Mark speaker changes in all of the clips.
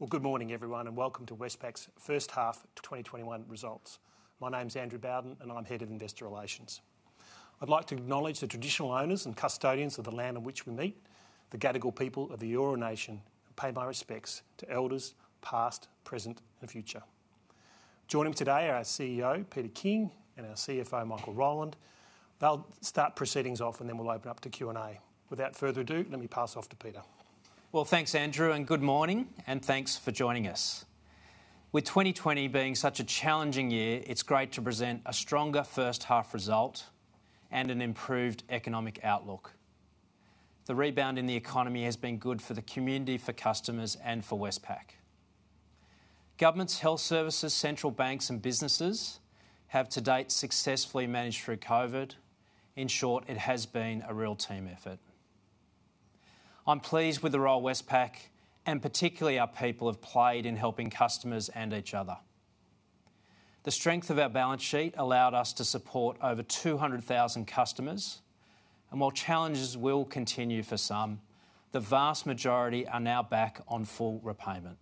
Speaker 1: Well, good morning, everyone, and welcome to Westpac's first half 2021 results. My name's Andrew Bowden, and I'm Head of Investor Relations. I'd like to acknowledge the traditional owners and custodians of the land on which we meet, the Gadigal people of the Eora Nation, and pay my respects to elders past, present, and future. Joining me today are our CEO, Peter King, and our CFO, Michael Rowland. They'll start proceedings off, and then we'll open up to Q&A. Without further ado, let me pass off to Peter.
Speaker 2: Well, thanks Andrew, and good morning, and thanks for joining us. With 2020 being such a challenging year, it's great to present a stronger first half result and an improved economic outlook. The rebound in the economy has been good for the community, for customers, and for Westpac. Governments, health services, central banks, and businesses have to date successfully managed through COVID. In short, it has been a real team effort. I'm pleased with the role Westpac, and particularly our people, have played in helping customers and each other. The strength of our balance sheet allowed us to support over 200,000 customers, and while challenges will continue for some, the vast majority are now back on full repayment.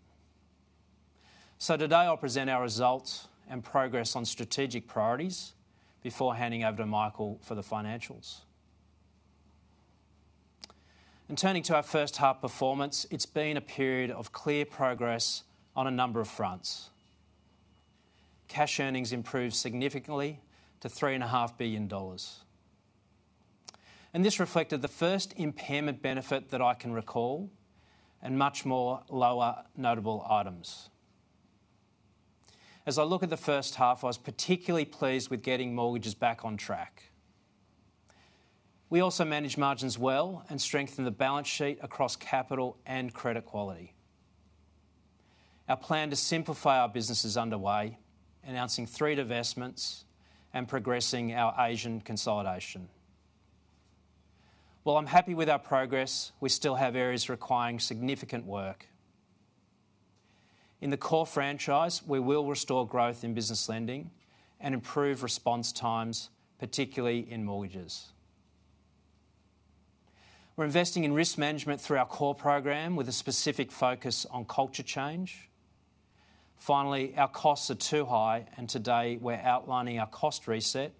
Speaker 2: Today I'll present our results and progress on strategic priorities before handing over to Michael for the financials. In turning to our first half performance, it's been a period of clear progress on a number of fronts. Cash earnings improved significantly to 3.5 billion dollars. This reflected the first impairment benefit that I can recall and much more lower notable items. As I look at the first half, I was particularly pleased with getting mortgages back on track. We also managed margins well and strengthened the balance sheet across capital and credit quality. Our plan to simplify our business is underway, announcing three divestments and progressing our Asian consolidation. While I'm happy with our progress, we still have areas requiring significant work. In the core franchise, we will restore growth in business lending and improve response times, particularly in mortgages. We're investing in risk management through our CORE Program with a specific focus on culture change. Finally, our costs are too high, and today we're outlining our cost reset,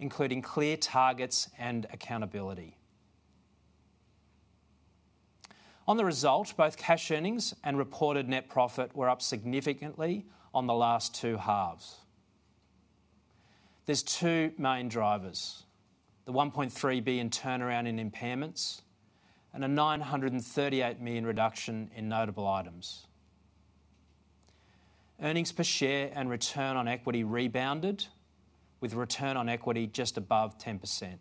Speaker 2: including clear targets and accountability. On the result, both cash earnings and reported net profit were up significantly on the last two halves. There's two main drivers, the 1.3 billion in turnaround in impairments and an 938 million reduction in notable items. Earnings per share and return on equity rebounded with return on equity just above 10%.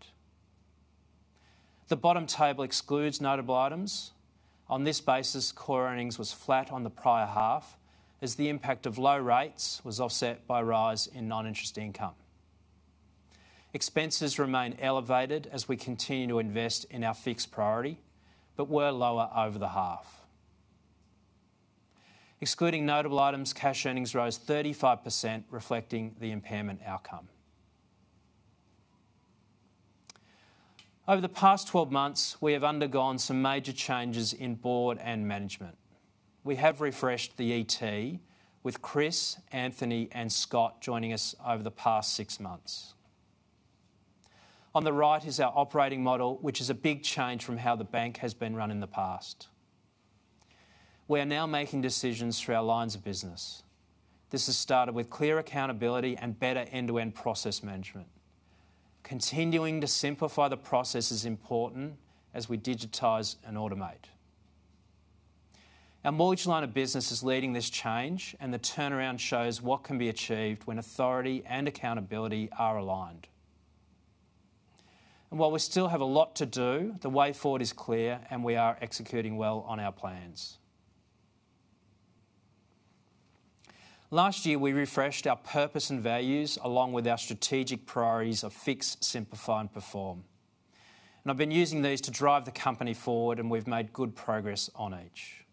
Speaker 2: The bottom table excludes notable items. On this basis, core earnings was flat on the prior half as the impact of low rates was offset by a rise in non-interest income. Expenses remain elevated as we continue to invest in our Fix priority, but were lower over the half. Excluding notable items, cash earnings rose 35%, reflecting the impairment outcome. Over the past 12 months, we have undergone some major changes in board and management. We have refreshed the ET with Chris, Anthony, and Scott joining us over the past six months. On the right is our operating model, which is a big change from how the bank has been run in the past. We are now making decisions through our lines of business. This has started with clear accountability and better end-to-end process management. Continuing to simplify the process is important as we digitize and automate. Our mortgage line of business is leading this change, and the turnaround shows what can be achieved when authority and accountability are aligned. While we still have a lot to do, the way forward is clear, and we are executing well on our plans. Last year, we refreshed our purpose and values along with our strategic priorities of Fix, Simplify, and Perform. I've been using these to drive the company forward, and we've made good progress on each.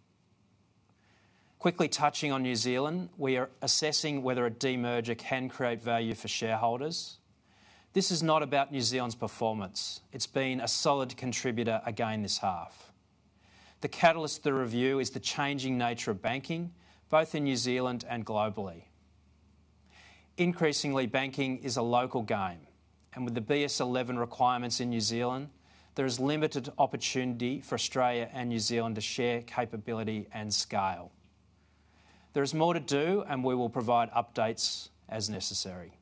Speaker 2: Quickly touching on New Zealand, we are assessing whether a demerger can create value for shareholders. This is not about New Zealand's performance. It's been a solid contributor again this half. The catalyst of the review is the changing nature of banking, both in New Zealand and globally. Increasingly, banking is a local game, and with the BS11 requirements in New Zealand, there is limited opportunity for Australia and New Zealand to share capability and scale. There is more to do, and we will provide updates as necessary.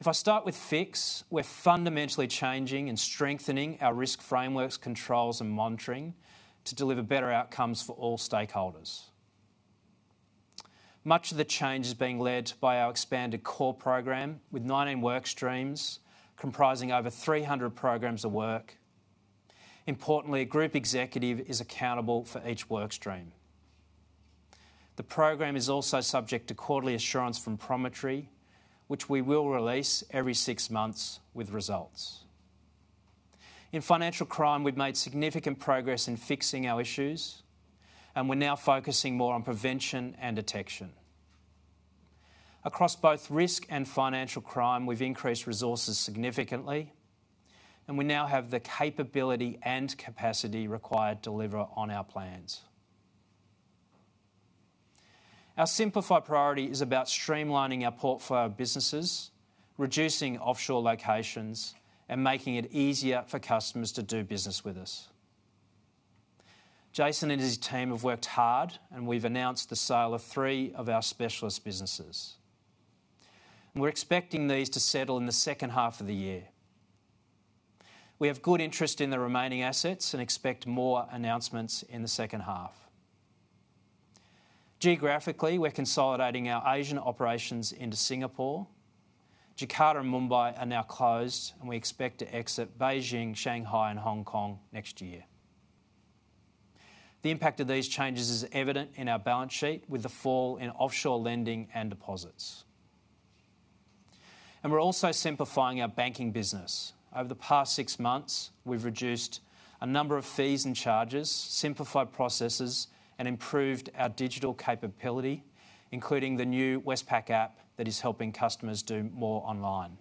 Speaker 2: If I start with Fix, we're fundamentally changing and strengthening our risk frameworks, controls, and monitoring to deliver better outcomes for all stakeholders. Much of the change is being led by our expanded CORE Program with 19 workstreams comprising over 300 programs of work. Importantly, a group executive is accountable for each workstream. The program is also subject to quarterly assurance from Promontory, which we will release every six months with results. In financial crime, we've made significant progress in fixing our issues, and we're now focusing more on prevention and detection. Across both risk and financial crime, we've increased resources significantly, and we now have the capability and capacity required to deliver on our plans. Our Simplify priority is about streamlining our portfolio of businesses, reducing offshore locations, and making it easier for customers to do business with us. Jason and his team have worked hard, and we've announced the sale of three of our specialist businesses. We're expecting these to settle in the second half of the year. We have good interest in the remaining assets and expect more announcements in the second half. Geographically, we're consolidating our Asian operations into Singapore. Jakarta and Mumbai are now closed, and we expect to exit Beijing, Shanghai, and Hong Kong next year. The impact of these changes is evident in our balance sheet with the fall in offshore lending and deposits. We're also simplifying our banking business. Over the past six months, we've reduced a number of fees and charges, simplified processes, and improved our digital capability, including the new Westpac App that is helping customers do more online.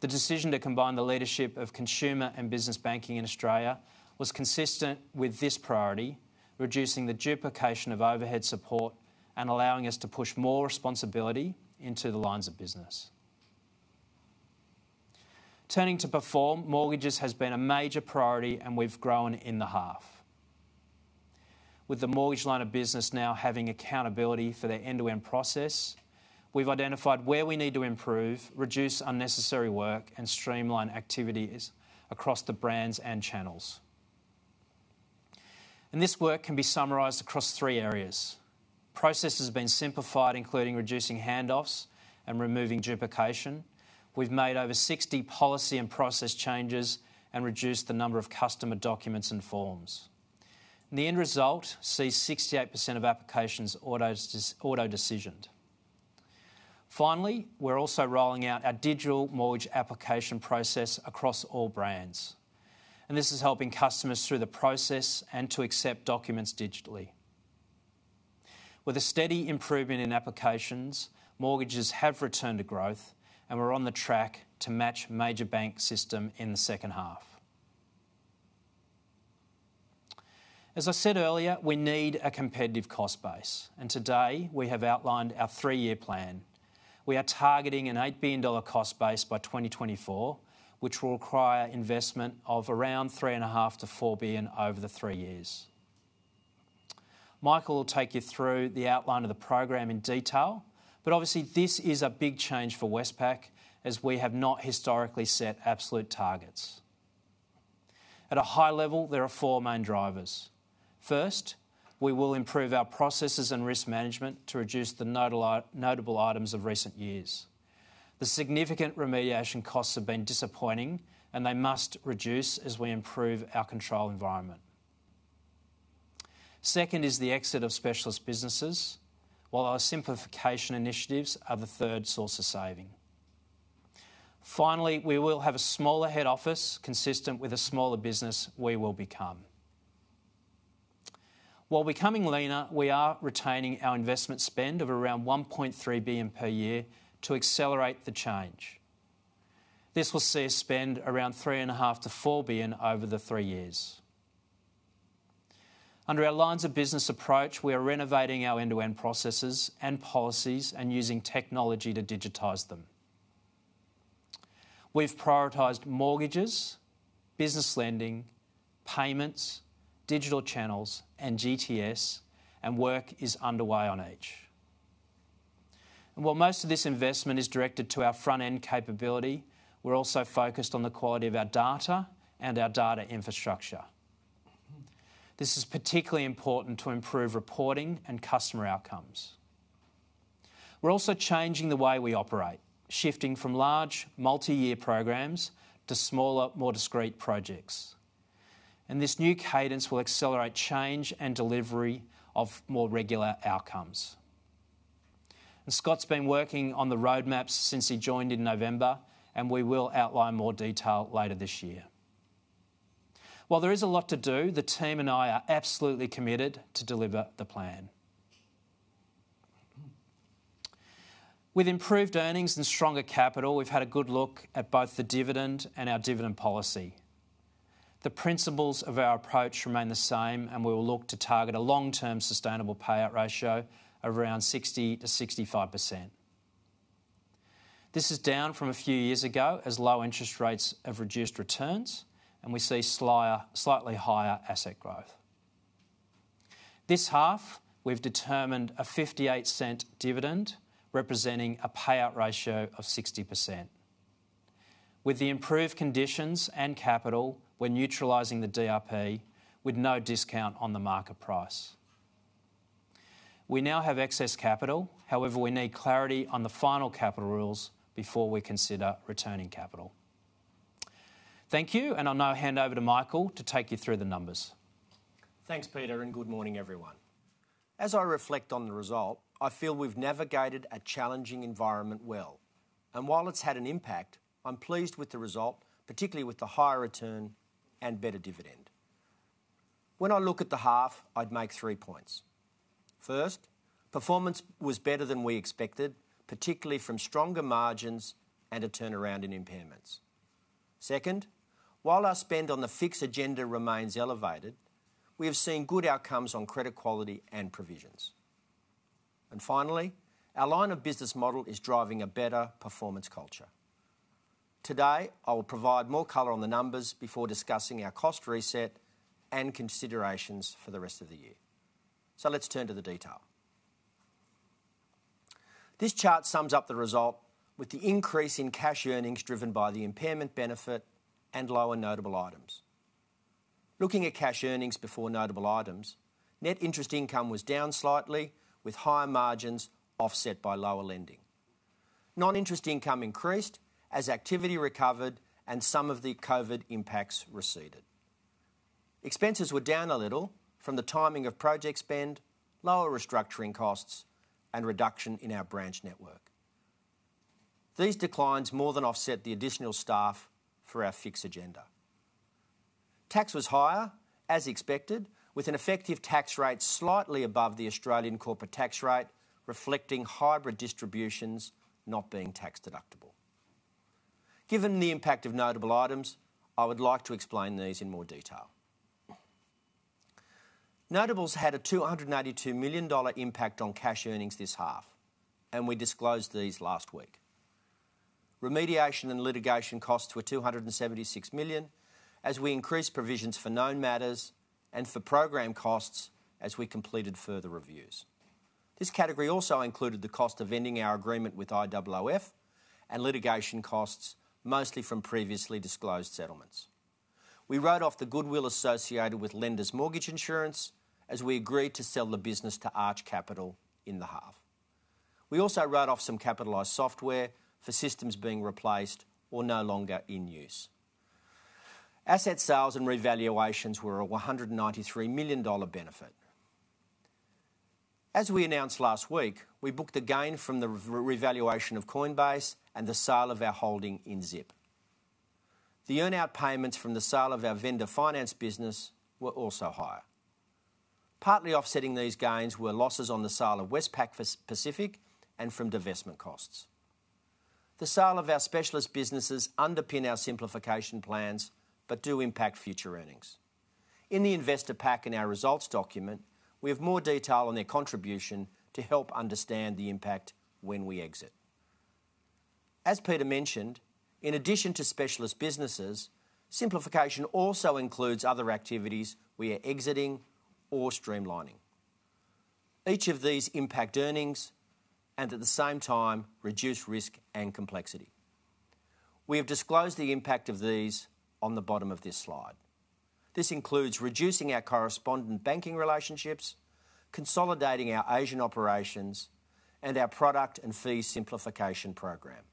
Speaker 2: The decision to combine the leadership of consumer and business banking in Australia was consistent with this priority, reducing the duplication of overhead support and allowing us to push more responsibility into the lines of business. Turning to Perform, mortgages has been a major priority, and we've grown in the half. With the mortgage line of business now having accountability for their end-to-end process, we've identified where we need to improve, reduce unnecessary work, and streamline activities across the brands and channels. This work can be summarized across three areas. Processes have been simplified, including reducing handoffs and removing duplication. We've made over 60 policy and process changes and reduced the number of customer documents and forms. The end result sees 68% of applications auto-decisioned. Finally, we're also rolling out our digital mortgage application process across all brands, and this is helping customers through the process and to accept documents digitally. With a steady improvement in applications, mortgages have returned to growth, and we're on the track to match major bank system in the second half. As I said earlier, we need a competitive cost base, and today, we have outlined our three-year plan. We are targeting an 8 billion dollar cost base by 2024, which will require investment of around 3.5 billion-4 billion over the three years. Michael will take you through the outline of the program in detail, but obviously, this is a big change for Westpac as we have not historically set absolute targets. At a high level, there are four main drivers. First, we will improve our processes and risk management to reduce the notable items of recent years. The significant remediation costs have been disappointing, and they must reduce as we improve our control environment. Second is the exit of Specialist Businesses, while our simplification initiatives are the third source of saving. Finally, we will have a smaller head office consistent with the smaller business we will become. While becoming leaner, we are retaining our investment spend of around AUD 1.3 billion per year to accelerate the change. This will see us spend around AUD 3.5 billion-AUD 4 billion over the three years. Under our lines of business approach, we are renovating our end-to-end processes and policies and using technology to digitize them. We've prioritized mortgages, business lending, payments, digital channels, and GTS, and work is underway on each. While most of this investment is directed to our front-end capability, we're also focused on the quality of our data and our data infrastructure. This is particularly important to improve reporting and customer outcomes. We're also changing the way we operate, shifting from large multi-year programs to smaller, more discrete projects. This new cadence will accelerate change and delivery of more regular outcomes. Scott's been working on the roadmaps since he joined in November, we will outline more detail later this year. While there is a lot to do, the team and I are absolutely committed to deliver the plan. With improved earnings and stronger capital, we've had a good look at both the dividend and our dividend policy. The principles of our approach remain the same, and we will look to target a long-term sustainable payout ratio around 60%-65%. This is down from a few years ago as low interest rates have reduced returns, and we see slightly higher asset growth. This half, we've determined a 0.58 dividend representing a payout ratio of 60%. With the improved conditions and capital, we're neutralizing the DRP with no discount on the market price. We now have excess capital. However, we need clarity on the final capital rules before we consider returning capital. Thank you, and I'll now hand over to Michael to take you through the numbers.
Speaker 3: Thanks, Peter. Good morning, everyone. As I reflect on the result, I feel we've navigated a challenging environment well. While it's had an impact, I'm pleased with the result, particularly with the higher return and better dividend. When I look at the half, I'd make three points. First, performance was better than we expected, particularly from stronger margins and a turnaround in impairments. Second, while our spend on the Fix agenda remains elevated, we have seen good outcomes on credit quality and provisions. Finally, our line of business model is driving a better performance culture. Today, I will provide more color on the numbers before discussing our cost reset and considerations for the rest of the year. Let's turn to the detail. This chart sums up the result with the increase in cash earnings driven by the impairment benefit and lower notable items. Looking at cash earnings before notable items, net interest income was down slightly, with higher margins offset by lower lending. Non-interest income increased as activity recovered and some of the COVID impacts receded. Expenses were down a little from the timing of project spend, lower restructuring costs, and reduction in our branch network. These declines more than offset the additional staff for our Fix agenda. Tax was higher, as expected, with an effective tax rate slightly above the Australian corporate tax rate, reflecting hybrid distributions not being tax deductible. Given the impact of notable items, I would like to explain these in more detail. Notables had an 282 million dollar impact on cash earnings this half, and we disclosed these last week. Remediation and litigation costs were 276 million as we increased provisions for known matters and for program costs as we completed further reviews. This category also included the cost of ending our agreement with IOOF and litigation costs, mostly from previously disclosed settlements. We wrote off the goodwill associated with lenders mortgage insurance as we agreed to sell the business to Arch Capital in the half. We also wrote off some capitalized software for systems being replaced or no longer in use. Asset sales and revaluations were a 193 million dollar benefit. As we announced last week, we booked a gain from the revaluation of Coinbase and the sale of our holding in Zip. The earn-out payments from the sale of our vendor finance business were also higher. Partly offsetting these gains were losses on the sale of Westpac Pacific and from divestment costs. The sale of our Specialist Businesses underpin our simplification plans but do impact future earnings. In the investor pack and our results document, we have more detail on their contribution to help understand the impact when we exit. As Peter mentioned, in addition to Specialist Businesses, simplification also includes other activities we are exiting or streamlining. Each of these impact earnings and at the same time reduce risk and complexity. We have disclosed the impact of these on the bottom of this slide. This includes reducing our correspondent banking relationships, consolidating our Asian operations, and our product and fee simplification program.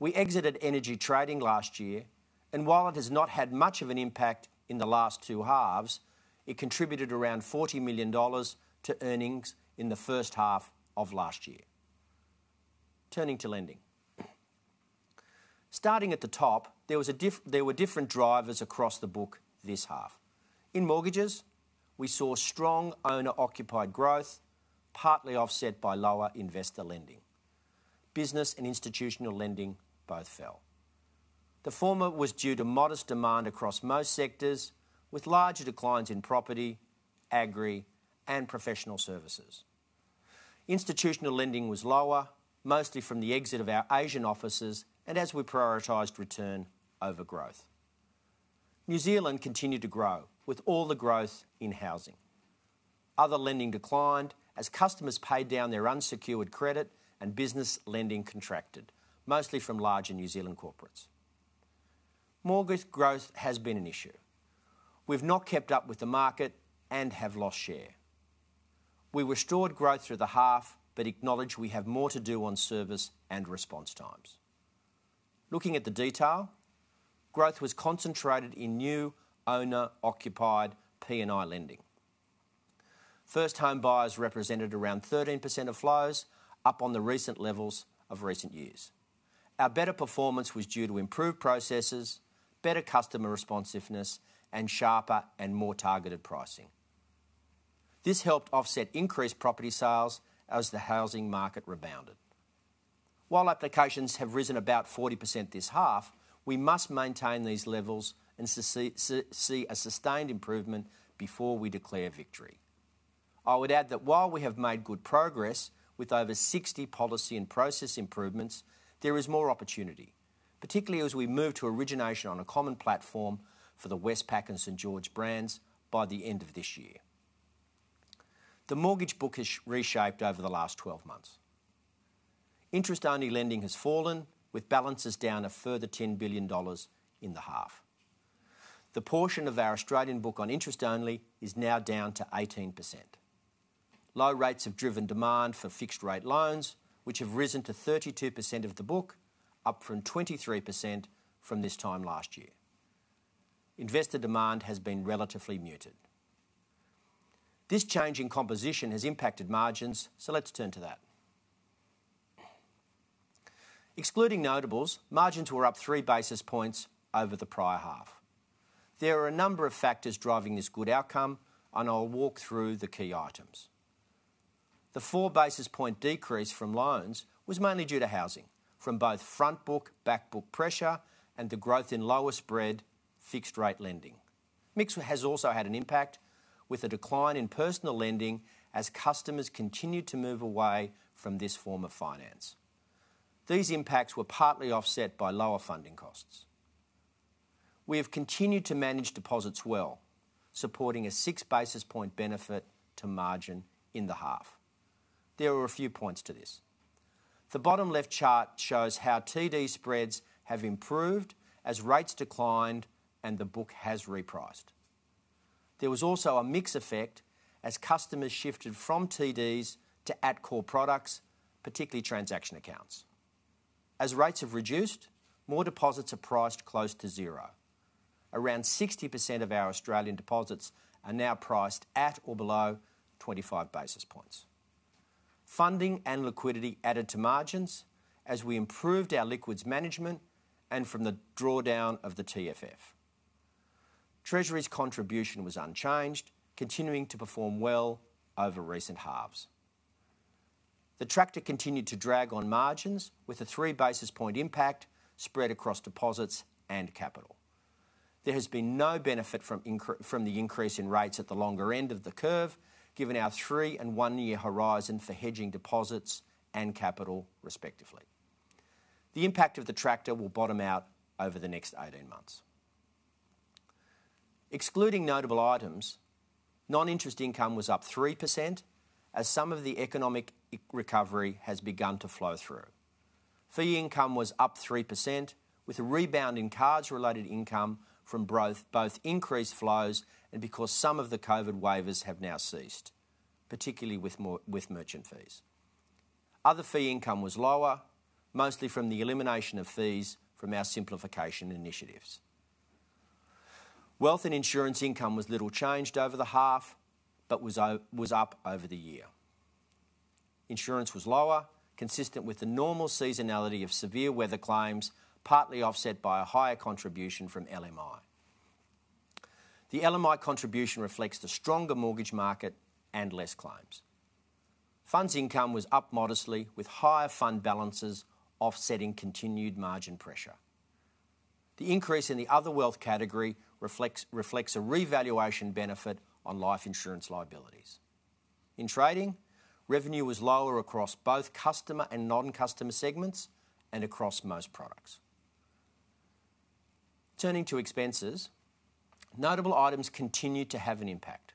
Speaker 3: We exited energy trading last year, and while it has not had much of an impact in the last two halves, it contributed around AUD 40 million to earnings in the first half of last year. Turning to lending. Starting at the top, there were different drivers across the book this half. In mortgages, we saw strong owner-occupied growth, partly offset by lower investor lending. Business and institutional lending both fell. The former was due to modest demand across most sectors, with larger declines in property, agri, and professional services. Institutional lending was lower, mostly from the exit of our Asian offices and as we prioritized return over growth. New Zealand continued to grow, with all the growth in housing. Other lending declined as customers paid down their unsecured credit and business lending contracted, mostly from larger New Zealand corporates. Mortgage growth has been an issue. We've not kept up with the market and have lost share. We restored growth through the half but acknowledge we have more to do on service and response times. Looking at the detail, growth was concentrated in new owner-occupied P&I lending. First home buyers represented around 13% of flows, up on the recent levels of recent years. Our better performance was due to improved processes, better customer responsiveness, and sharper and more targeted pricing. This helped offset increased property sales as the housing market rebounded. Applications have risen about 40% this half, we must maintain these levels and see a sustained improvement before we declare victory. I would add that while we have made good progress with over 60 policy and process improvements, there is more opportunity, particularly as we move to origination on a common platform for the Westpac and St.George brands by the end of this year. The mortgage book has reshaped over the last 12 months. Interest-only lending has fallen, with balances down a further 10 billion dollars in the half. The portion of our Australian book on interest only is now down to 18%. Low rates have driven demand for fixed rate loans, which have risen to 32% of the book, up from 23% from this time last year. Investor demand has been relatively muted. This change in composition has impacted margins. Let's turn to that. Excluding notables, margins were up 3 basis points over the prior half. There are a number of factors driving this good outcome, and I'll walk through the key items. The 4 basis point decrease from loans was mainly due to housing, from both front book, back book pressure, and the growth in lower spread fixed rate lending. Mix has also had an impact, with a decline in personal lending as customers continue to move away from this form of finance. These impacts were partly offset by lower funding costs. We have continued to manage deposits well, supporting a 6 basis point benefit to margin in the half. There are a few points to this. The bottom left chart shows how TD spreads have improved as rates declined and the book has repriced. There was also a mix effect as customers shifted from TDs to at-core products, particularly transaction accounts. As rates have reduced, more deposits are priced close to zero. Around 60% of our Australian deposits are now priced at or below 25 basis points. Funding and liquidity added to margins as we improved our liquids management and from the drawdown of the TFF. Treasury's contribution was unchanged, continuing to perform well over recent halves. The tractor continued to drag on margins with a three basis point impact spread across deposits and capital. There has been no benefit from the increase in rates at the longer end of the curve, given our three and one-year horizon for hedging deposits and capital, respectively. The impact of the drag will bottom out over the next 18 months. Excluding notable items, non-interest income was up 3%, as some of the economic recovery has begun to flow through. Fee income was up 3%, with a rebound in cards related income from both increased flows and because some of the COVID waivers have now ceased, particularly with merchant fees. Other fee income was lower, mostly from the elimination of fees from our simplification initiatives. Wealth and insurance income was little changed over the half, but was up over the year. Insurance was lower, consistent with the normal seasonality of severe weather claims, partly offset by a higher contribution from LMI. The LMI contribution reflects the stronger mortgage market and less claims. Funds income was up modestly, with higher fund balances offsetting continued margin pressure. The increase in the other wealth category reflects a revaluation benefit on life insurance liabilities. In trading, revenue was lower across both customer and non-customer segments and across most products. Turning to expenses, notable items continued to have an impact.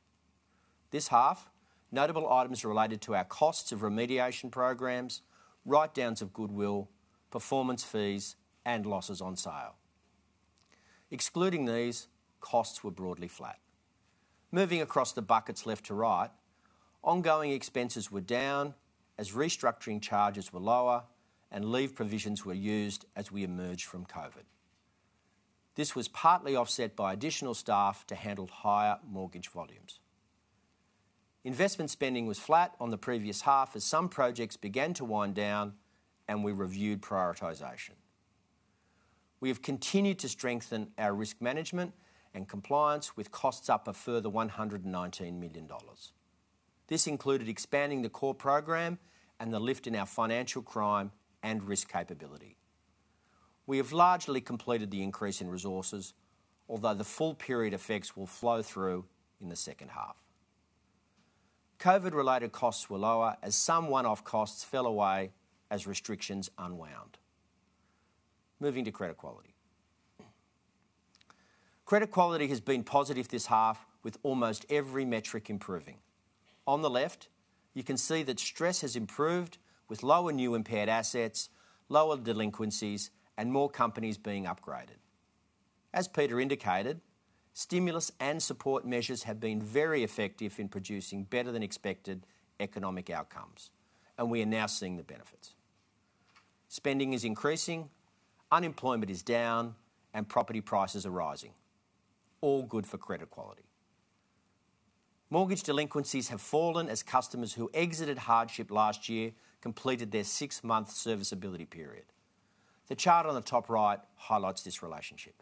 Speaker 3: This half, notable items related to our costs of remediation programs, write-downs of goodwill, performance fees, and losses on sale. Excluding these, costs were broadly flat. Moving across the buckets left to right, ongoing expenses were down as restructuring charges were lower and leave provisions were used as we emerged from COVID. This was partly offset by additional staff to handle higher mortgage volumes. Investment spending was flat on the previous half as some projects began to wind down and we reviewed prioritization. We have continued to strengthen our risk management and compliance with costs up a further 119 million dollars. This included expanding the CORE Program and the lift in our financial crime and risk capability. We have largely completed the increase in resources, although the full period effects will flow through in the second half. COVID-related costs were lower as some one-off costs fell away as restrictions unwound. Moving to credit quality. Credit quality has been positive this half, with almost every metric improving. On the left, you can see that stress has improved with lower new impaired assets, lower delinquencies, and more companies being upgraded. As Peter indicated, stimulus and support measures have been very effective in producing better than expected economic outcomes, and we are now seeing the benefits. Spending is increasing, unemployment is down, and property prices are rising. All good for credit quality. Mortgage delinquencies have fallen as customers who exited hardship last year completed their six-month service ability period. The chart on the top right highlights this relationship.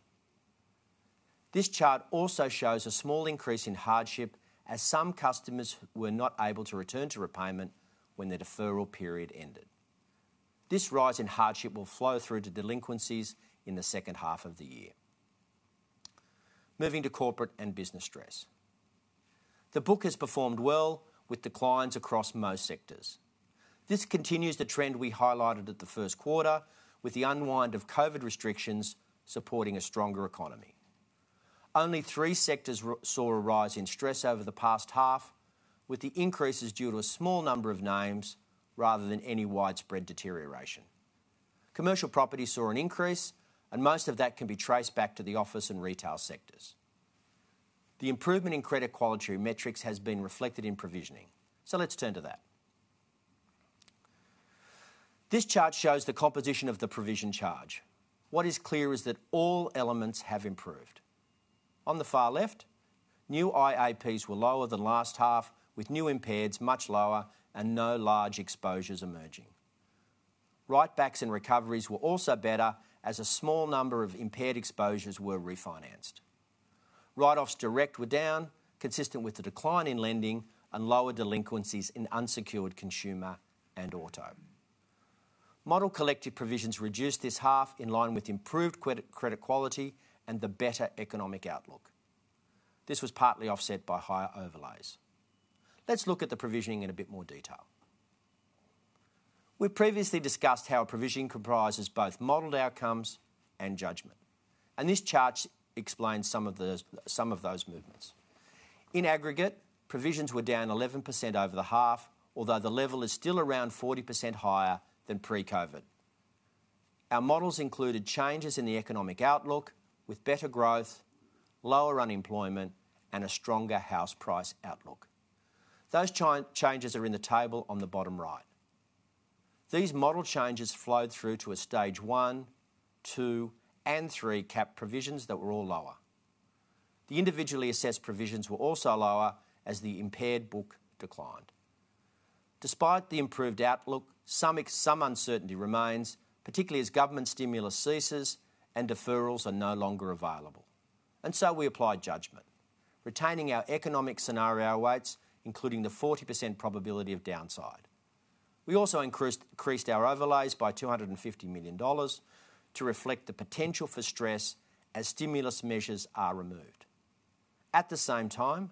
Speaker 3: This chart also shows a small increase in hardship as some customers were not able to return to repayment when their deferral period ended. This rise in hardship will flow through to delinquencies in the second half of the year. Moving to corporate and business stress. The book has performed well with declines across most sectors. This continues the trend we highlighted at the first quarter, with the unwind of COVID restrictions supporting a stronger economy. Only three sectors saw a rise in stress over the past half, with the increases due to a small number of names rather than any widespread deterioration. Commercial property saw an increase. Most of that can be traced back to the office and retail sectors. The improvement in credit quality metrics has been reflected in provisioning. Let's turn to that. This chart shows the composition of the provision charge. What is clear is that all elements have improved. On the far left, new IAPs were lower than last half, with new impairs much lower and no large exposures emerging. Write-backs and recoveries were also better, as a small number of impaired exposures were refinanced. Write-offs direct were down, consistent with the decline in lending and lower delinquencies in unsecured consumer and auto. Model collective provisions reduced this half in line with improved credit quality and the better economic outlook. This was partly offset by higher overlays. Let's look at the provisioning in a bit more detail. We previously discussed how provisioning comprises both modeled outcomes and judgment, and this chart explains some of those movements. In aggregate, provisions were down 11% over the half, although the level is still around 40% higher than pre-COVID. Our models included changes in the economic outlook with better growth, lower unemployment, and a stronger house price outlook. Those changes are in the table on the bottom right. These model changes flowed through to a stage 1, 2, and 3 CAP provisions that were all lower. The Individually Assessed Provisions were also lower as the impaired book declined. Despite the improved outlook, some uncertainty remains, particularly as government stimulus ceases and deferrals are no longer available, we applied judgment, retaining our economic scenario weights, including the 40% probability of downside. We also increased our overlays by 250 million dollars to reflect the potential for stress as stimulus measures are removed. At the same time,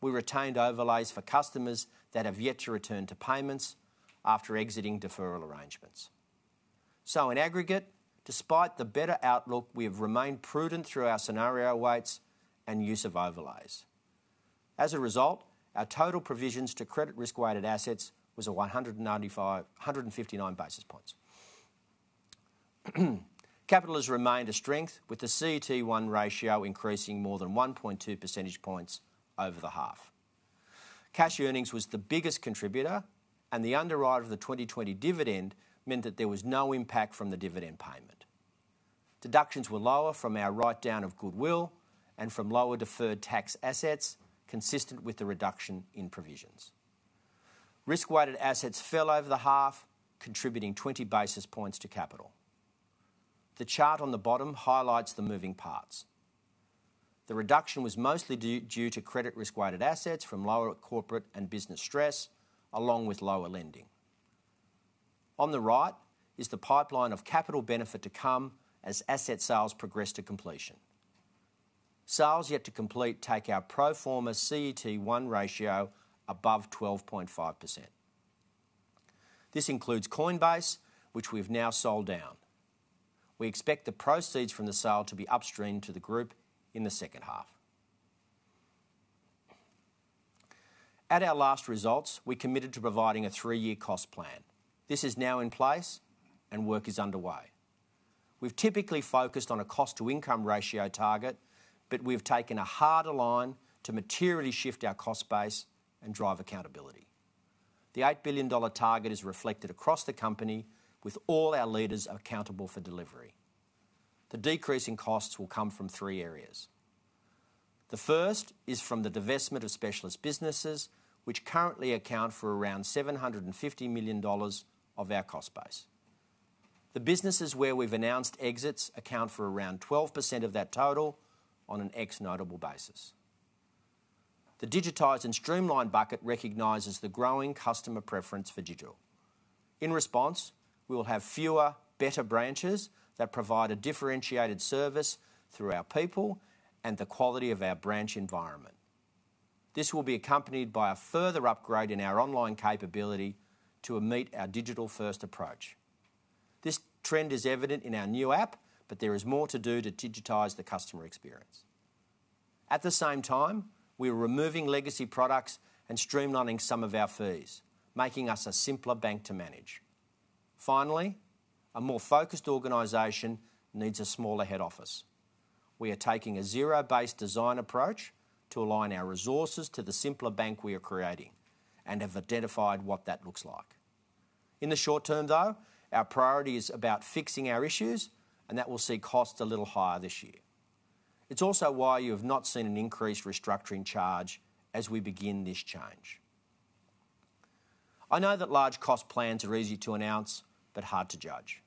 Speaker 3: we retained overlays for customers that have yet to return to payments after exiting deferral arrangements. In aggregate, despite the better outlook, we have remained prudent through our scenario weights and use of overlays. Our total provisions to credit risk-weighted assets was at 159 basis points. Capital has remained a strength with the CET1 ratio increasing more than 1.2 percentage points over the half. Cash earnings was the biggest contributor, and the underwrite of the 2020 dividend meant that there was no impact from the dividend payment. Deductions were lower from our write-down of goodwill and from lower deferred tax assets, consistent with the reduction in provisions. Risk-weighted assets fell over the half, contributing 20 basis points to capital. The chart on the bottom highlights the moving parts. The reduction was mostly due to credit risk-weighted assets from lower corporate and business stress, along with lower lending. On the right is the pipeline of capital benefit to come as asset sales progress to completion. Sales yet to complete take our pro forma CET1 ratio above 12.5%. This includes Coinbase, which we've now sold down. We expect the proceeds from the sale to be upstreamed to the group in the second half. At our last results, we committed to providing a three-year cost plan. This is now in place and work is underway. We've typically focused on a cost-to-income ratio target, but we've taken a harder line to materially shift our cost base and drive accountability. The 8 billion dollar target is reflected across the company, with all our leaders accountable for delivery. The decrease in costs will come from three areas. The first is from the divestment of specialist businesses, which currently account for around 750 million dollars of our cost base. The businesses where we've announced exits account for around 12% of that total on an ex-notable basis. The digitized and streamlined bucket recognizes the growing customer preference for digital. In response, we will have fewer, better branches that provide a differentiated service through our people and the quality of our branch environment. This will be accompanied by a further upgrade in our online capability to meet our digital-first approach. This trend is evident in our Westpac App, but there is more to do to digitize the customer experience. At the same time, we are removing legacy products and streamlining some of our fees, making us a simpler bank to manage. Finally, a more focused organization needs a smaller head office. We are taking a zero base design approach to align our resources to the simpler bank we are creating and have identified what that looks like. In the short term, though, our priority is about fixing our issues. That will see costs a little higher this year. It's also why you have not seen an increased restructuring charge as we begin this change. I know that large cost plans are easy to announce but hard to judge.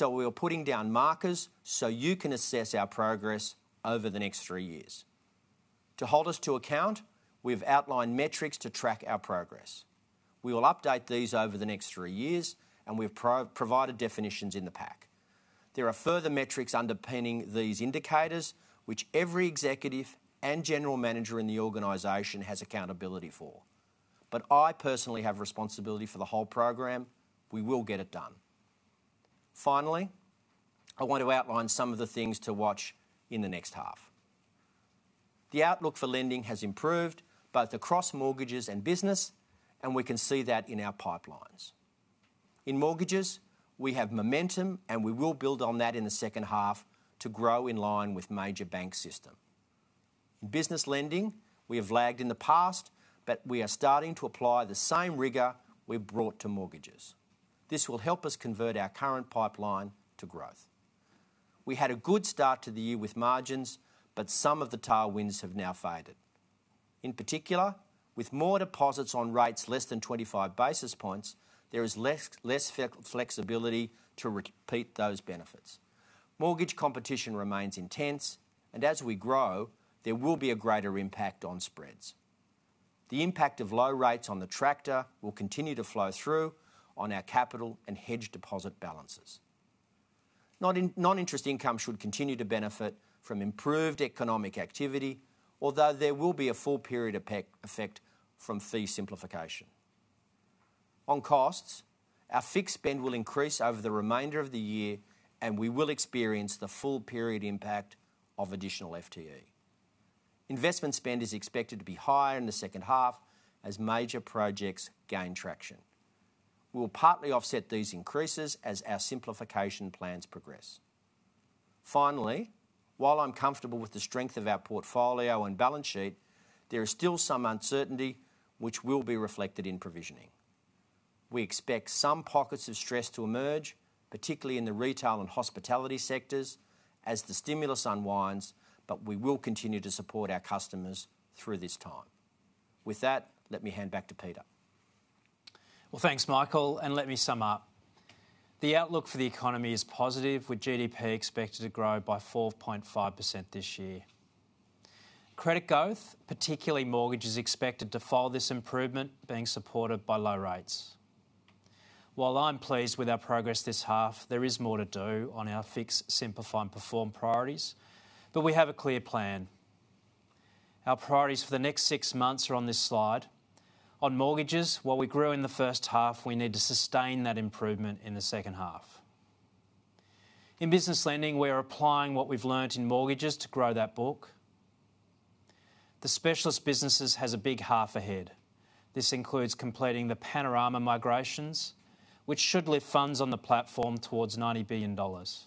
Speaker 3: We are putting down markers so you can assess our progress over the next three years. To hold us to account, we've outlined metrics to track our progress. We will update these over the next three years. We've provided definitions in the pack. There are further metrics underpinning these indicators, which every executive and general manager in the organization has accountability for. I personally have responsibility for the whole program. We will get it done. Finally, I want to outline some of the things to watch in the next half. The outlook for lending has improved, both across mortgages and business, and we can see that in our pipelines. In mortgages, we have momentum, and we will build on that in the second half to grow in line with major bank system. In business lending, we have lagged in the past, but we are starting to apply the same rigor we've brought to mortgages. This will help us convert our current pipeline to growth. We had a good start to the year with margins, but some of the tailwinds have now faded. In particular, with more deposits on rates less than 25 basis points, there is less flexibility to repeat those benefits. Mortgage competition remains intense, and as we grow, there will be a greater impact on spreads. The impact of low rates on the replicating portfolio will continue to flow through on our capital and hedge deposit balances. Non-interest income should continue to benefit from improved economic activity, although there will be a full period effect from fee simplification. On costs, our Fix spend will increase over the remainder of the year, and we will experience the full period impact of additional FTE. Investment spend is expected to be higher in the second half as major projects gain traction. We'll partly offset these increases as our simplification plans progress. Finally, while I'm comfortable with the strength of our portfolio and balance sheet, there is still some uncertainty which will be reflected in provisioning. We expect some pockets of stress to emerge, particularly in the retail and hospitality sectors, as the stimulus unwinds, but we will continue to support our customers through this time. With that, let me hand back to Peter.
Speaker 2: Well, thanks, Michael, and let me sum up. The outlook for the economy is positive, with GDP expected to grow by 4.5% this year. Credit growth, particularly mortgages, is expected to follow this improvement, being supported by low rates. While I'm pleased with our progress this half, there is more to do on our Fix, Simplify and Perform priorities, but we have a clear plan. Our priorities for the next six months are on this slide. On mortgages, while we grew in the first half, we need to sustain that improvement in the second half. In business lending, we are applying what we've learnt in mortgages to grow that book. The Specialist Businesses has a big half ahead. This includes completing the Panorama migrations, which should lift funds on the platform towards 90 billion dollars,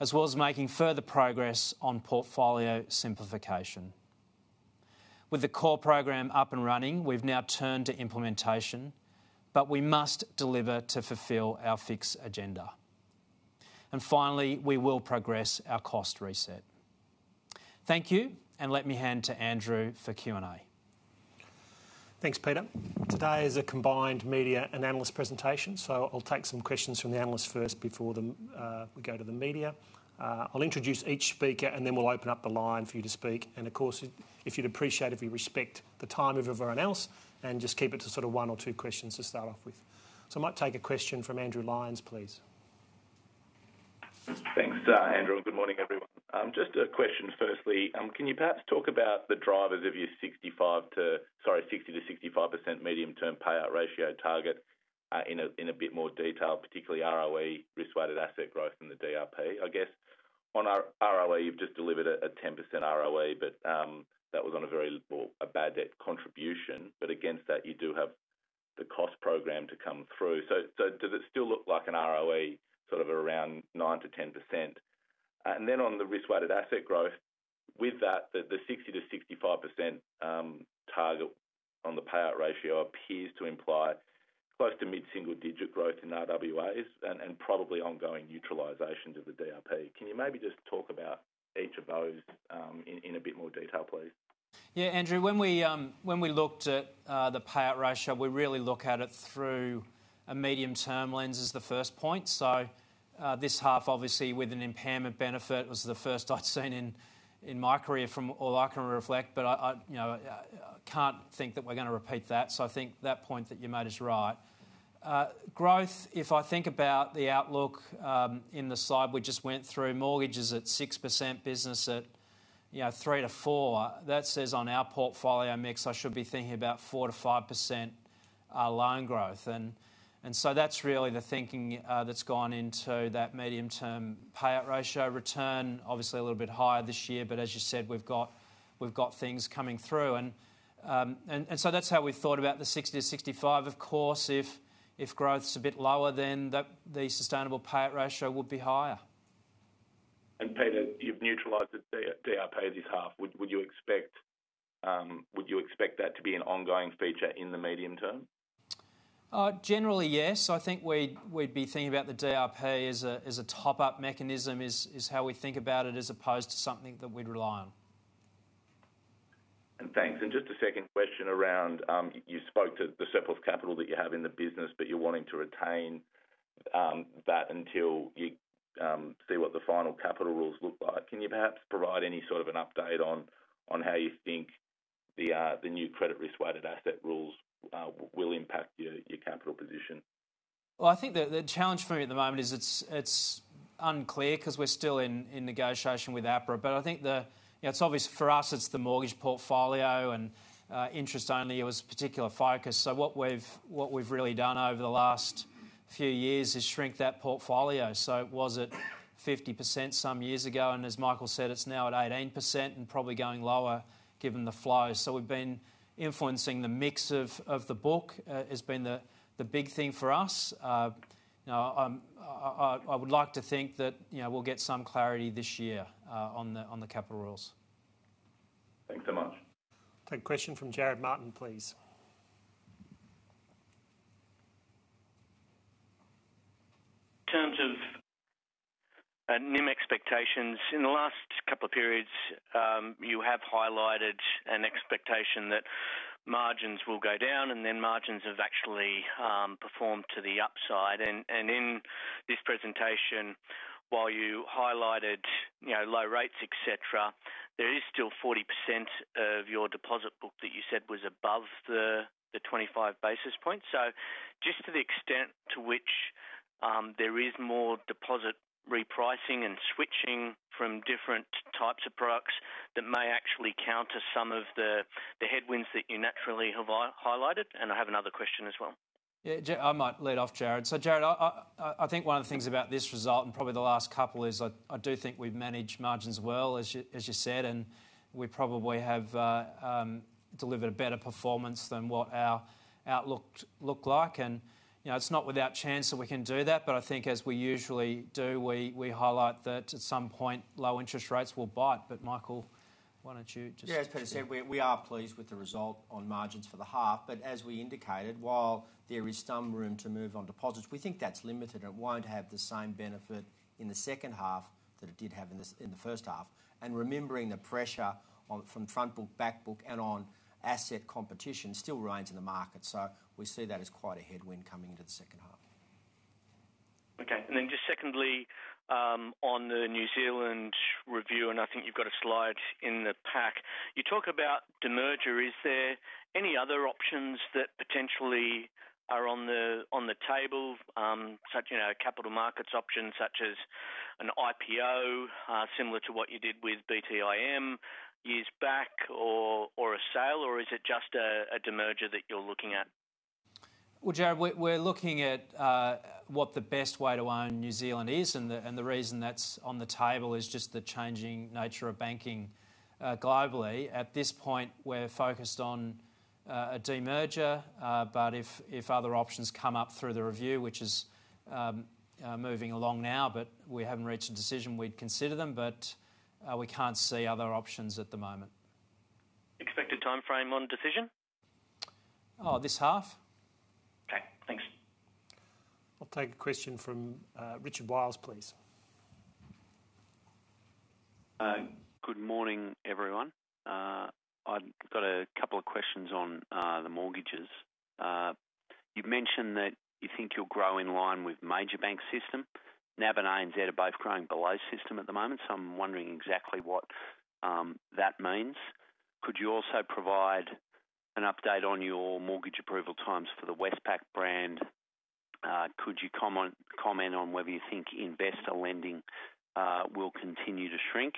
Speaker 2: as well as making further progress on portfolio simplification. With the CORE Program up and running, we've now turned to implementation, but we must deliver to fulfill our Fix agenda. Finally, we will progress our cost reset. Thank you, and let me hand to Andrew for Q&A.
Speaker 1: Thanks, Peter. Today is a combined media and analyst presentation, so I'll take some questions from the analysts first before we go to the media. I'll introduce each speaker and then we'll open up the line for you to speak. And of course, it'd be appreciated if you respect the time of everyone else and just keep it to one or two questions to start off with. I might take a question from Andrew Lyons, please.
Speaker 4: Thanks, Andrew. Good morning, everyone. Just a question firstly. Can you perhaps talk about the drivers of your 60%-65% medium-term payout ratio target in a bit more detail, particularly ROE, risk-weighted asset growth and the DRP? I guess on ROE, you've just delivered a 10% ROE, but that was on a bad debt contribution. Against that, you do have the cost program to come through. Does it still look like an ROE around 9%-10%? On the risk-weighted asset growth, with that, the 60%-65% target on the payout ratio appears to imply close to mid-single digit growth in RWAs and probably ongoing neutralizations of the DRP. Can you maybe just talk about each of those in a bit more detail, please?
Speaker 2: Andrew, when we looked at the payout ratio, we really look at it through a medium-term lens as the first point. This half, obviously, with an impairment benefit, was the first I'd seen in my career from all I can reflect. I can't think that we're going to repeat that, I think that point that you made is right. Growth, if I think about the outlook in the slide we just went through, mortgages at 6%, business at 3%-4%. That says on our portfolio mix, I should be thinking about 4%-5% loan growth. That's really the thinking that's gone into that medium-term payout ratio return. Obviously a little bit higher this year, as you said, we've got things coming through. That's how we've thought about the 60%-65%. Of course, if growth's a bit lower, then the sustainable payout ratio would be higher.
Speaker 4: Peter, you've neutralized the DRP this half. Would you expect that to be an ongoing feature in the medium term?
Speaker 2: Generally, yes. I think we'd be thinking about the DRP as a top-up mechanism is how we think about it as opposed to something that we'd rely on.
Speaker 4: Thanks. Just a second question around, you spoke to the surplus capital that you have in the business, but you're wanting to retain that until you see what the final capital rules look like. Can you perhaps provide any sort of an update on how you think the new credit risk-weighted asset rules will impact your capital position?
Speaker 2: I think the challenge for me at the moment is it's unclear because we're still in negotiation with APRA. I think it's obvious for us it's the mortgage portfolio and interest only was a particular focus. What we've really done over the last few years is shrink that portfolio. It was at 50% some years ago, and as Michael said, it's now at 18% and probably going lower given the flow. We've been influencing the mix of the book, has been the big thing for us. I would like to think that we'll get some clarity this year on the capital rules.
Speaker 4: Thanks so much.
Speaker 1: Take a question from Jarrod Martin, please.
Speaker 5: In terms of NIM expectations, in the last couple of periods, you have highlighted an expectation that margins will go down, then margins have actually performed to the upside. In this presentation, while you highlighted low rates, et cetera, there is still 40% of your deposit book that you said was above the 25 basis points. Just to the extent to which there is more deposit repricing and switching from different types of products that may actually counter some of the headwinds that you naturally have highlighted. I have another question as well.
Speaker 2: Yeah, I might lead off, Jarrod. Jarrod, I think one of the things about this result and probably the last couple is I do think we've managed margins well, as you said, and we probably have delivered a better performance than what our outlook looked like. It's not without chance that we can do that. I think as we usually do, we highlight that at some point, low interest rates will bite. Michael, why don't you just.
Speaker 3: Yeah, as Peter said, we are pleased with the result on margins for the half. As we indicated, while there is some room to move on deposits, we think that's limited and it won't have the same benefit in the second half that it did have in the first half. Remembering the pressure from front book, back book, and on asset competition still reigns in the market. We see that as quite a headwind coming into the second half.
Speaker 5: Okay. Just secondly, on the New Zealand review, and I think you've got a slide in the pack. You talk about demerger. Is there any other options that potentially are on the table? Capital markets options such as an IPO, similar to what you did with BTIM years back, or a sale, or is it just a demerger that you're looking at?
Speaker 2: Well, Jarrod, we're looking at what the best way to own New Zealand is. The reason that's on the table is just the changing nature of banking globally. At this point, we're focused on a demerger. If other options come up through the review, which is moving along now, but we haven't reached a decision, we'd consider them. We can't see other options at the moment.
Speaker 5: Expected timeframe on decision?
Speaker 2: Oh, this half.
Speaker 5: Okay, thanks.
Speaker 1: I'll take a question from Richard Wiles, please.
Speaker 6: Good morning, everyone. I've got a couple of questions on the mortgages. You've mentioned that you think you'll grow in line with major bank system. NAB and ANZ are both growing below system at the moment. I'm wondering exactly what that means. Could you also provide an update on your mortgage approval times for the Westpac brand? Could you comment on whether you think investor lending will continue to shrink?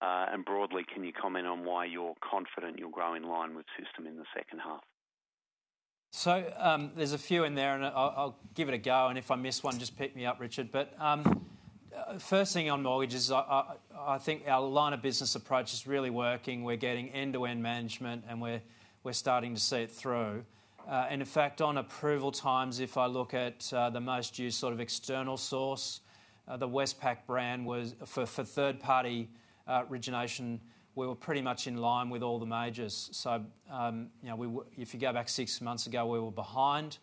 Speaker 6: Broadly, can you comment on why you're confident you'll grow in line with system in the second half?
Speaker 2: There's a few in there and I'll give it a go, and if I miss one, just pick me up, Richard. First thing on mortgages, I think our line of business approach is really working. We're getting end-to-end management and we're starting to see it through. In fact, on approval times, if I look at the most used sort of external source, the Westpac brand for third-party origination, we were pretty much in line with all the majors. If you go back six months ago, we were behind.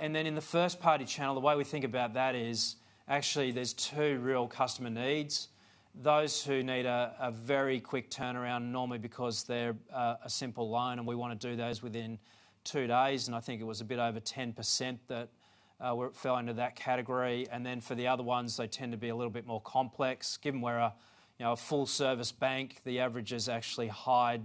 Speaker 2: In the first-party channel, the way we think about that is actually there's two real customer needs. Those who need a very quick turnaround, normally because they're a simple loan and we want to do those within two days, and I think it was a bit over 10% that fell under that category. For the other ones, they tend to be a little bit more complex. Given we're a full-service bank, the averages actually hide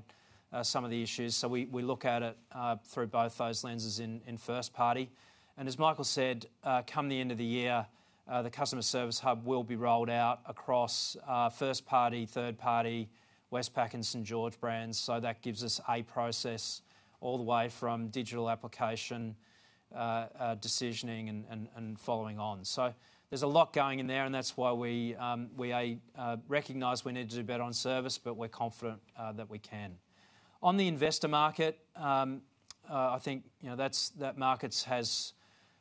Speaker 2: some of the issues. We look at it through both those lenses in first party. As Michael said, come the end of the year, the Customer Service Hub will be rolled out across first party, third party, Westpac and St.George brands. That gives us a process all the way from digital application, decisioning and following on. There's a lot going in there, and that's why we recognize we need to do better on service, but we're confident that we can. On the investor market, I think that market has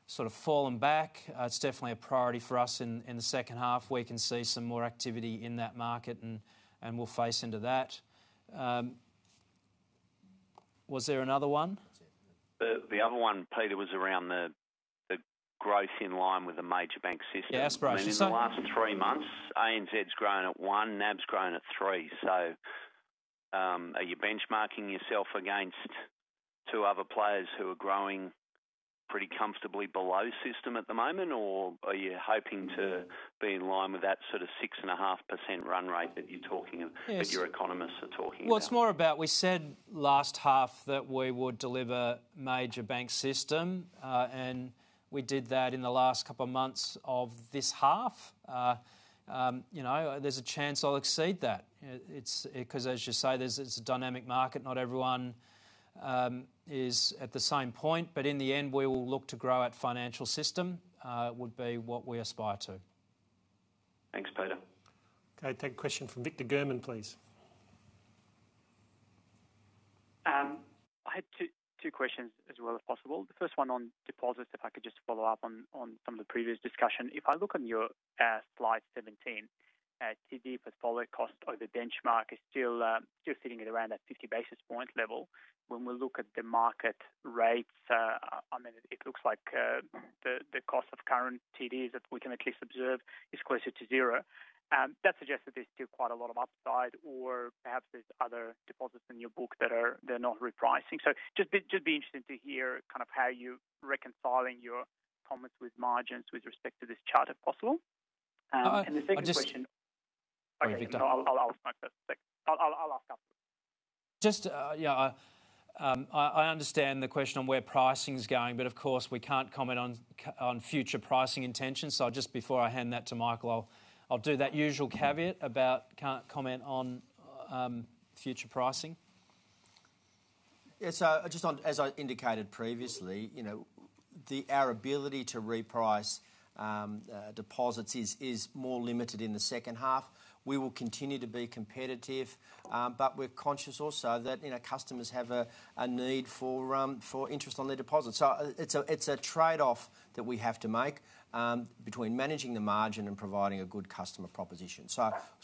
Speaker 2: sort of fallen back. It's definitely a priority for us in the second half. We can see some more activity in that market, and we'll face into that. Was there another one?
Speaker 6: The other one, Peter, was around the growth in line with the major bank system.
Speaker 2: Yeah.
Speaker 6: In the last three months, ANZ's grown at 1%, NAB's grown at 3%. Are you benchmarking yourself against two other players who are growing pretty comfortably below system at the moment? Are you hoping to be in line with that sort of 6.5% run rate that you're talking?
Speaker 2: Yes
Speaker 6: that your economists are talking about?
Speaker 2: Well, it's more about we said last half that we would deliver major bank system, and we did that in the last couple of months of this half. There's a chance I'll exceed that. As you say, it's a dynamic market. Not everyone is at the same point. In the end, we will look to grow at financial system, would be what we aspire to.
Speaker 6: Thanks, Peter.
Speaker 1: Okay, take a question from Victor German, please.
Speaker 7: I had two questions as well, if possible. The first one on deposits, if I could just follow up on some of the previous discussion. If I look on your slide 17, TD portfolio cost over the benchmark is still sitting at around that 50 basis point level. When we look at the market rates, it looks like the cost of current TDs that we can at least observe is closer to zero. That suggests that there's still quite a lot of upside or perhaps there's other deposits in your book that are not repricing. Just be interesting to hear how you're reconciling your comments with margins with respect to this chart, if possible. The second question.
Speaker 2: I just-
Speaker 7: Okay.
Speaker 2: Sorry, Victor.
Speaker 7: I'll ask my first. I'll ask afterwards.
Speaker 2: I understand the question on where pricing's going. Of course, we can't comment on future pricing intentions. Just before I hand that to Michael, I'll do that usual caveat about can't comment on future pricing.
Speaker 3: Just as I indicated previously, our ability to reprice deposits is more limited in the second half. We will continue to be competitive, we're conscious also that customers have a need for interest on their deposits. It's a trade-off that we have to make between managing the margin and providing a good customer proposition.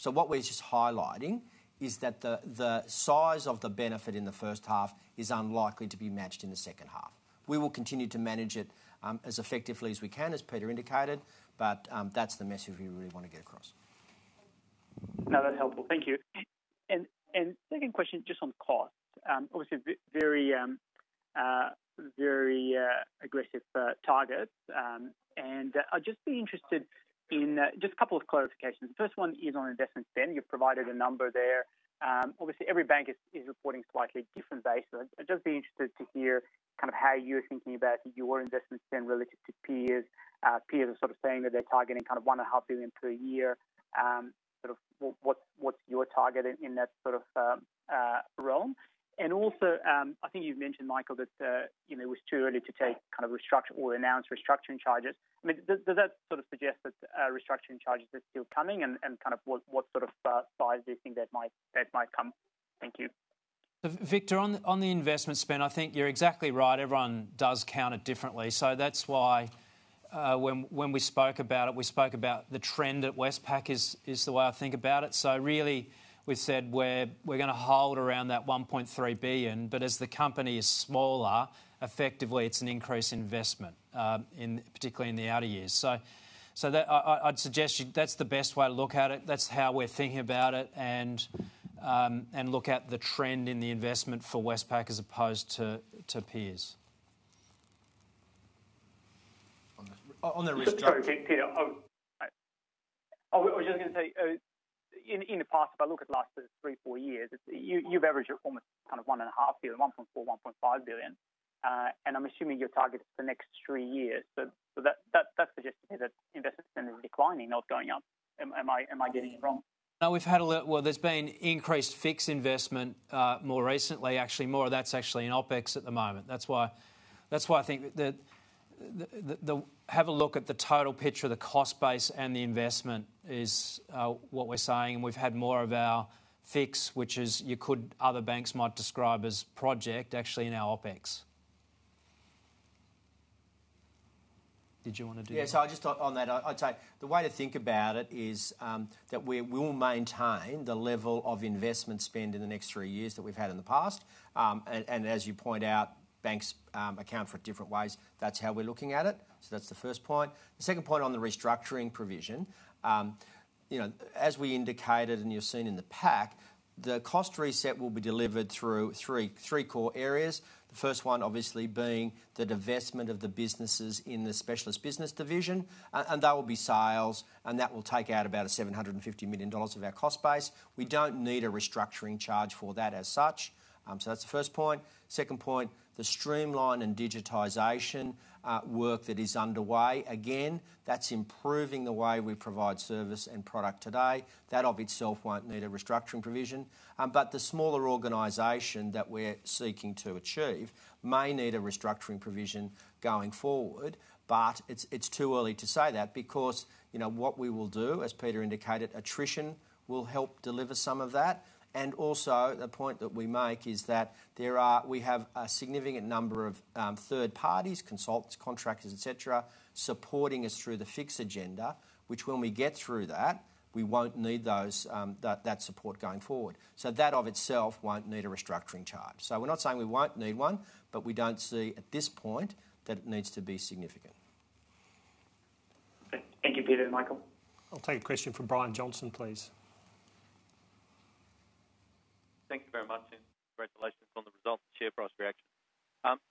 Speaker 3: What we're just highlighting is that the size of the benefit in the first half is unlikely to be matched in the second half. We will continue to manage it as effectively as we can, as Peter indicated, that's the message we really want to get across.
Speaker 7: No, that's helpful. Thank you. Second question just on cost. Obviously, very aggressive targets. I'd just be interested in just a couple of clarifications. First one is on investment spend. You've provided a number there. Obviously, every bank is reporting slightly different bases. I'd just be interested to hear how you're thinking about your investment spend relative to peers. Peers are saying that they're targeting 1.5 billion per year. What's your target in that sort of realm? Also, I think you've mentioned, Michael, that it was too early to take or announce restructuring charges. Does that suggest that restructuring charges are still coming and what sort of size do you think that might come? Thank you.
Speaker 2: Victor, on the investment spend, I think you're exactly right. Everyone does count it differently. That's why when we spoke about it, we spoke about the trend at Westpac is the way I think about it. Really we've said we're going to hold around that 1.3 billion, but as the company is smaller, effectively it's an increased investment, particularly in the outer years. I'd suggest that's the best way to look at it. That's how we're thinking about it and look at the trend in the investment for Westpac as opposed to peers.
Speaker 3: On the restructure-
Speaker 7: Sorry, Peter. I was just going to say, in the past, if I look at the last three, four years, you've averaged at almost kind of 1.5 billion, AUD 1.4 billion-AUD 1.5 billion. I'm assuming your target is the next three years. That suggests to me that investment spend is declining, not going up. Am I getting it wrong?
Speaker 2: No, we've had a little Well, there's been increased fixed investment, more recently, actually, more of that's actually in OpEx at the moment. That's why I think that have a look at the total picture of the cost base and the investment is what we're saying. We've had more of our fix, which other banks might describe as project, actually in our OpEx. Did you want to do that?
Speaker 3: Yeah, just on that, I'd say the way to think about it is that we will maintain the level of investment spend in the next three years that we've had in the past. As you point out, banks account for it different ways. That's how we're looking at it. That's the first point. The second point on the restructuring provision. As we indicated and you've seen in the pack, the cost reset will be delivered through three core areas. The first one obviously being the divestment of the businesses in the Specialist Business Division. That will be sales, and that will take out about 750 million dollars of our cost base. We don't need a restructuring charge for that as such. That's the first point. Second point, the streamline and digitization work that is underway. Again, that's improving the way we provide service and product today. That of itself won't need a restructuring provision. The smaller organization that we're seeking to achieve may need a restructuring provision going forward, but it's too early to say that because what we will do, as Peter indicated, attrition will help deliver some of that. The point that we make is that we have a significant number of third parties, consultants, contractors, et cetera, supporting us through the fix agenda. Which when we get through that, we won't need that support going forward. That of itself won't need a restructuring charge. We're not saying we won't need one, but we don't see at this point that it needs to be significant.
Speaker 7: Thank you, Peter and Michael.
Speaker 1: I'll take a question from Brian Johnson, please.
Speaker 8: Thank you very much and congratulations on the results and share price reaction.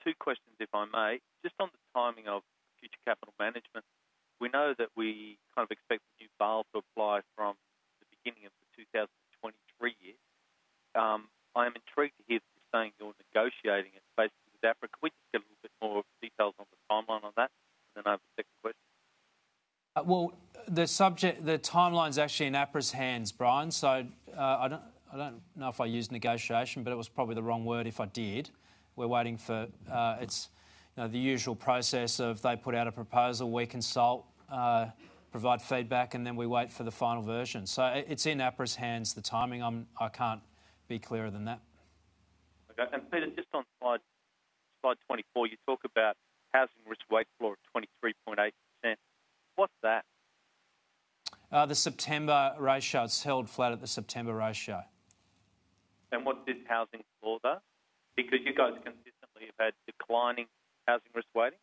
Speaker 8: Two questions, if I may. Just on the timing of future capital management, we know that we kind of expect the [new BAR] to apply from the beginning of the 2023 year. I am intrigued to hear that you're saying you're negotiating it, basically with APRA. Can we get a little bit more details on the timeline on that? I have a second question.
Speaker 2: Well, the timeline's actually in APRA's hands, Brian, so I don't know if I used negotiation, but it was probably the wrong word if I did. We're waiting for the usual process of they put out a proposal, we consult, provide feedback, and then we wait for the final version. It's in APRA's hands, the timing. I can't be clearer than that.
Speaker 8: Okay. Peter, just on slide 24, you talk about housing risk weight floor of 23.8%. What's that?
Speaker 2: The September ratio. It's held flat at the September ratio.
Speaker 8: What did housing floor do? You guys consistently have had declining housing risk weighting.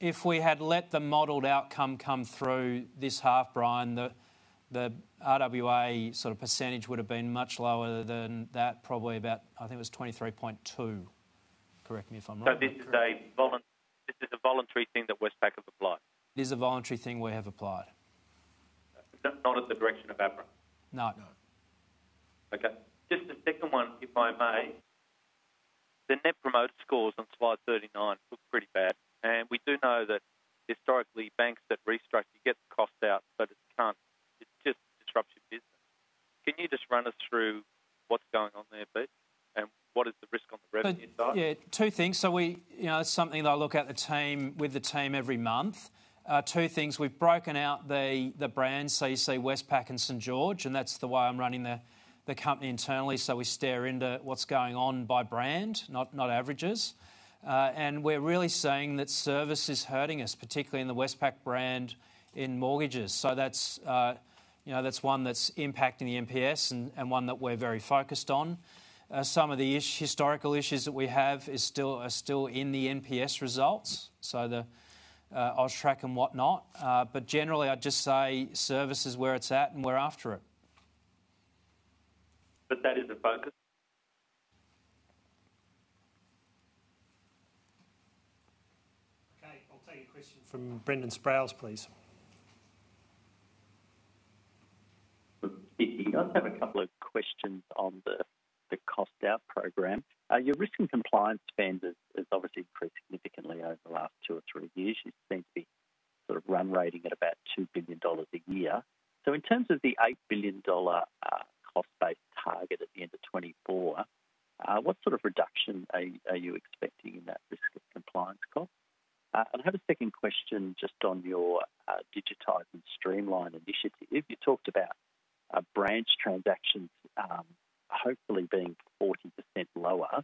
Speaker 2: If we had let the modeled outcome come through this half, Brian, the RWA percentage would've been much lower than that, probably about, I think it was 23.2%. Correct me if I'm wrong.
Speaker 8: This is a voluntary thing that Westpac have applied?
Speaker 2: It is a voluntary thing we have applied.
Speaker 8: Not at the direction of APRA?
Speaker 2: No.
Speaker 3: No.
Speaker 8: Okay. Just a second one, if I may. The net promoter scores on slide 39 look pretty bad, and we do know that historically, banks that restructure get the cost out, but it just disrupts your business. Can you just run us through what's going on there, Pete, and what is the risk on the revenue side?
Speaker 2: Yeah. Two things. It's something that I look at with the team every month. Two things. We've broken out the brands, so you see Westpac and St.George, and that's the way I'm running the company internally. We stare into what's going on by brand, not averages. We're really seeing that service is hurting us, particularly in the Westpac brand in mortgages. That's one that's impacting the NPS and one that we're very focused on. Some of the historical issues that we have are still in the NPS results, so the AUSTRAC and whatnot. Generally, I'd just say service is where it's at, and we're after it.
Speaker 8: That is a focus?
Speaker 1: Okay. I'll take a question from Brendan Sproules, please.
Speaker 9: I just have a couple of questions on the cost out program. Your risk and compliance spend has obviously increased significantly over the last two or three years. You seem to be run rating at about 2 billion dollars a year. In terms of the 8 billion dollar cost base target at the end of 2024, what sort of reduction are you expecting in that risk and compliance cost? I have a second question just on your digitize and streamline initiative. You talked about branch transactions hopefully being 40% lower.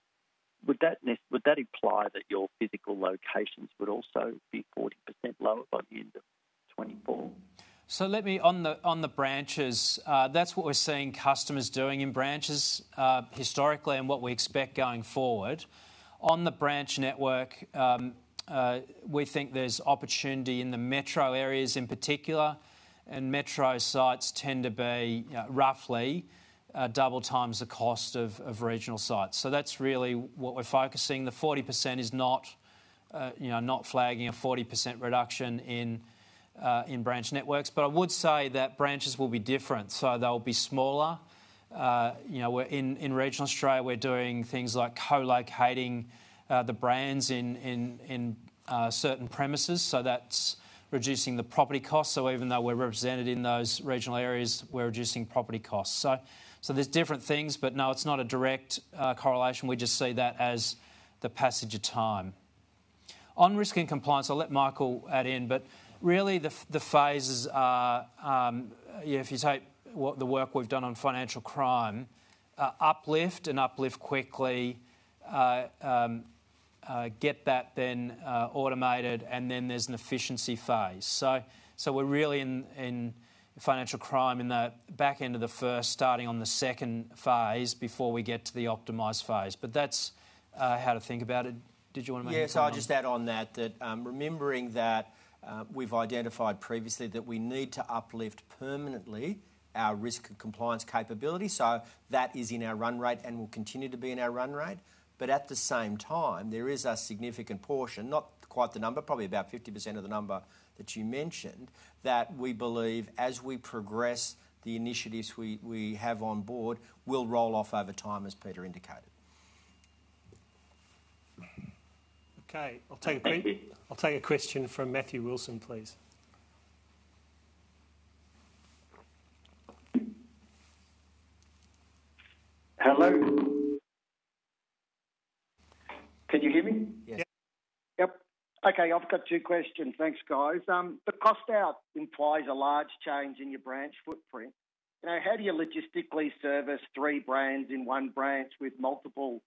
Speaker 9: Would that imply that your physical locations would also be 40% lower by the end of 2024?
Speaker 2: Let me, on the branches, that's what we're seeing customers doing in branches historically, and what we expect going forward. On the branch network, we think there's opportunity in the metro areas in particular, and metro sites tend to be roughly double times the cost of regional sites. That's really what we're focusing. The 40% is not flagging a 40% reduction in branch networks. I would say that branches will be different. They'll be smaller. In regional Australia, we're doing things like co-locating the brands in certain premises, so that's reducing the property cost. Even though we're represented in those regional areas, we're reducing property costs. There's different things, but no, it's not a direct correlation. We just see that as the passage of time. On risk and compliance, I'll let Michael add in, but really the phases are, if you take the work we've done on financial crime, uplift and uplift quickly, get that then automated, and then there's an efficiency phase. We're really, in financial crime, in the back end of the first, starting on the second phase, before we get to the optimize phase. That's how to think about it. Did you want to maybe comment?
Speaker 3: I'll just add on that, remembering that we've identified previously that we need to uplift permanently our risk and compliance capability. That is in our run rate and will continue to be in our run rate. At the same time, there is a significant portion, not quite the number, probably about 50% of the number that you mentioned, that we believe as we progress the initiatives we have on board will roll off over time, as Peter indicated.
Speaker 1: Okay. I'll take.
Speaker 9: Thank you.
Speaker 1: I'll take a question from Matthew Wilson, please.
Speaker 10: Hello? Can you hear me?
Speaker 2: Yes.
Speaker 3: Yep.
Speaker 10: Yep. Okay, I've got two questions. Thanks, guys. The cost out implies a large change in your branch footprint. How do you logistically service three brands in one branch with multiple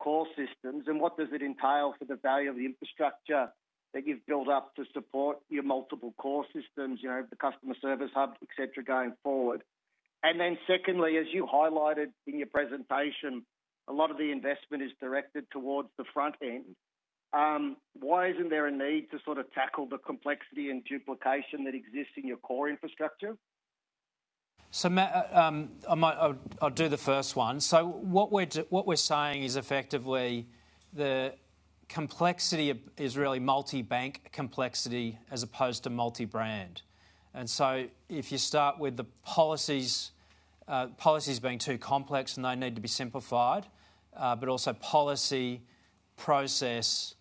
Speaker 10: core systems? What does it entail for the value of the infrastructure that you've built up to support your multiple core systems, the Customer Service Hub, et cetera, going forward? Secondly, as you highlighted in your presentation, a lot of the investment is directed towards the front end. Why isn't there a need to sort of tackle the complexity and duplication that exists in your core infrastructure?
Speaker 2: Matt, I'll do the first one. What we're saying is effectively the complexity is really multi-bank complexity as opposed to multi-brand. If you start with the policies being too complex and they need to be simplified, but also policy, process,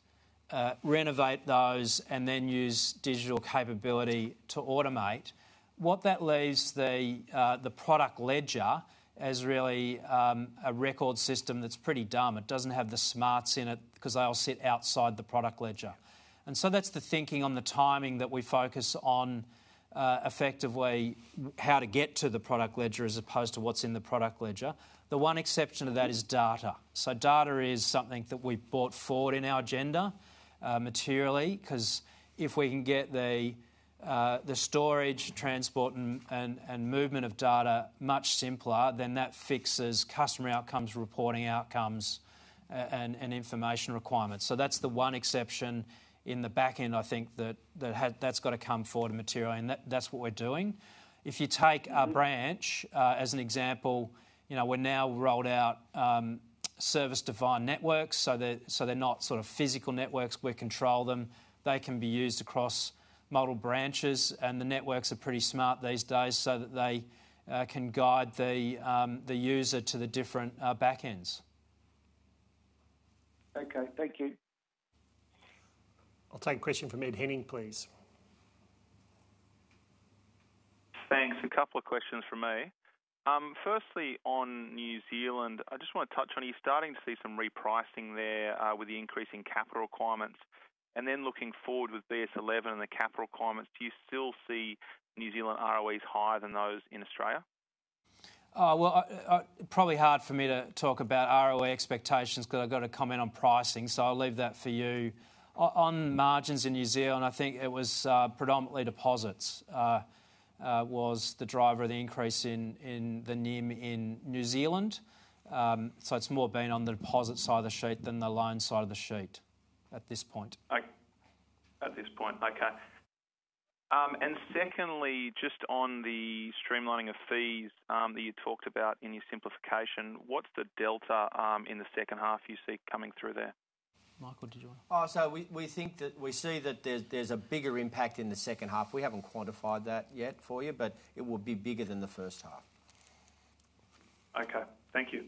Speaker 2: renovate those and then use digital capability to automate. What that leaves the product ledger as really a record system that's pretty dumb. It doesn't have the smarts in it because they all sit outside the product ledger. That's the thinking on the timing that we focus on, effectively, how to get to the product ledger as opposed to what's in the product ledger. The one exception to that is data. Data is something that we've brought forward in our agenda materially, because if we can get the storage, transport, and movement of data much simpler, then that fixes customer outcomes, reporting outcomes, and information requirements. That's the one exception in the back end, I think, that's got to come forward to material, and that's what we're doing. If you take a branch as an example, we now rolled out service-defined networks. They're not physical networks. We control them. They can be used across multiple branches, and the networks are pretty smart these days, so that they can guide the user to the different back ends.
Speaker 10: Okay, thank you.
Speaker 1: I'll take a question from Ed Henning, please.
Speaker 11: Thanks. A couple of questions from me. Firstly, on New Zealand, I just want to touch on, are you starting to see some repricing there with the increase in capital requirements? Looking forward with BS11 and the capital requirements, do you still see New Zealand ROEs higher than those in Australia?
Speaker 2: Probably hard for me to talk about ROE expectations because I've got to comment on pricing. I'll leave that for you. On margins in New Zealand, I think it was predominantly deposits, was the driver of the increase in the NIM in New Zealand. It's more been on the deposit side of the sheet than the loan side of the sheet at this point.
Speaker 11: At this point, okay. Secondly, just on the streamlining of fees that you talked about in your simplification, what's the delta in the second half you see coming through there?
Speaker 2: Michael, did you want to?
Speaker 3: We see that there's a bigger impact in the second half. We haven't quantified that yet for you, but it will be bigger than the first half.
Speaker 11: Okay, thank you.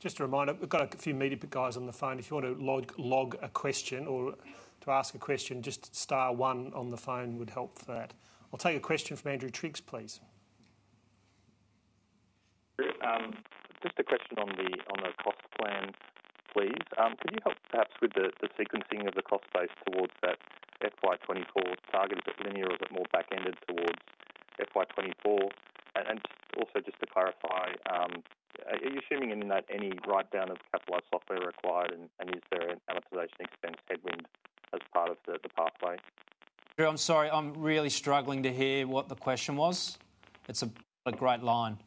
Speaker 1: Just a reminder, we've got a few media guys on the phone. If you want to log a question or to ask a question, just star one on the phone would help for that. I'll take a question from Andrew Triggs, please.
Speaker 12: Just a question on the cost plan, please. Can you help perhaps with the sequencing of the cost base towards that FY 2024 target? Is it linear or is it more back-ended towards FY 2024? Also just to clarify, are you assuming in that any write-down of capitalized software required, and is there an amortization expense headwind as part of the pathway?
Speaker 2: Andrew, I'm sorry. I'm really struggling to hear what the question was. It's a great line.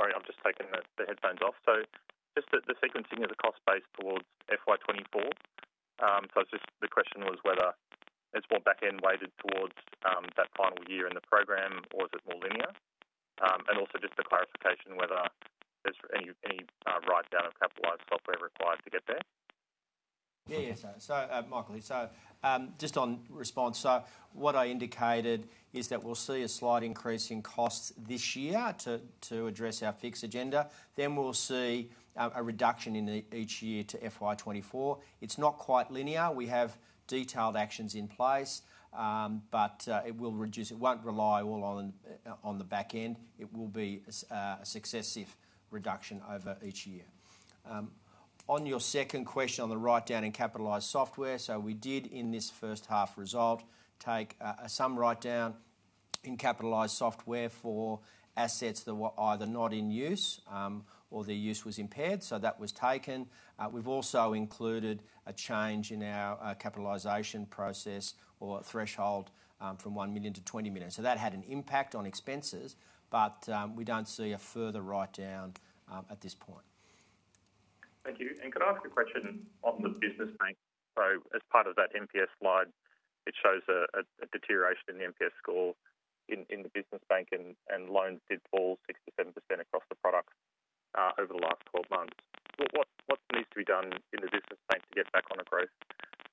Speaker 12: Sorry, I've just taken the headphones off. Just the sequencing of the cost base towards FY 2024. The question was whether it's more back-end weighted towards that final year in the program or is it more linear? Also just for clarification, whether there's any write-down of capitalized software required to get there.
Speaker 3: Yeah. Michael here. Just on response. What I indicated is that we'll see a slight increase in costs this year to address our fixed agenda. We'll see a reduction in each year to FY 2024. It's not quite linear. We have detailed actions in place. It will reduce. It won't rely all on the back end. It will be a successive reduction over each year. On your second question on the write-down in capitalized software, we did, in this first half result, take some write-down in capitalized software for assets that were either not in use or their use was impaired. That was taken. We've also included a change in our capitalization process or threshold from 1 million to 20 million. That had an impact on expenses. We don't see a further write-down at this point.
Speaker 12: Thank you. Could I ask a question on the business bank? As part of that NPS slide, it shows a deterioration in the NPS score in the business bank, and loans did fall 67% across the products over the last 12 months. What needs to be done in the business bank to get back on a growth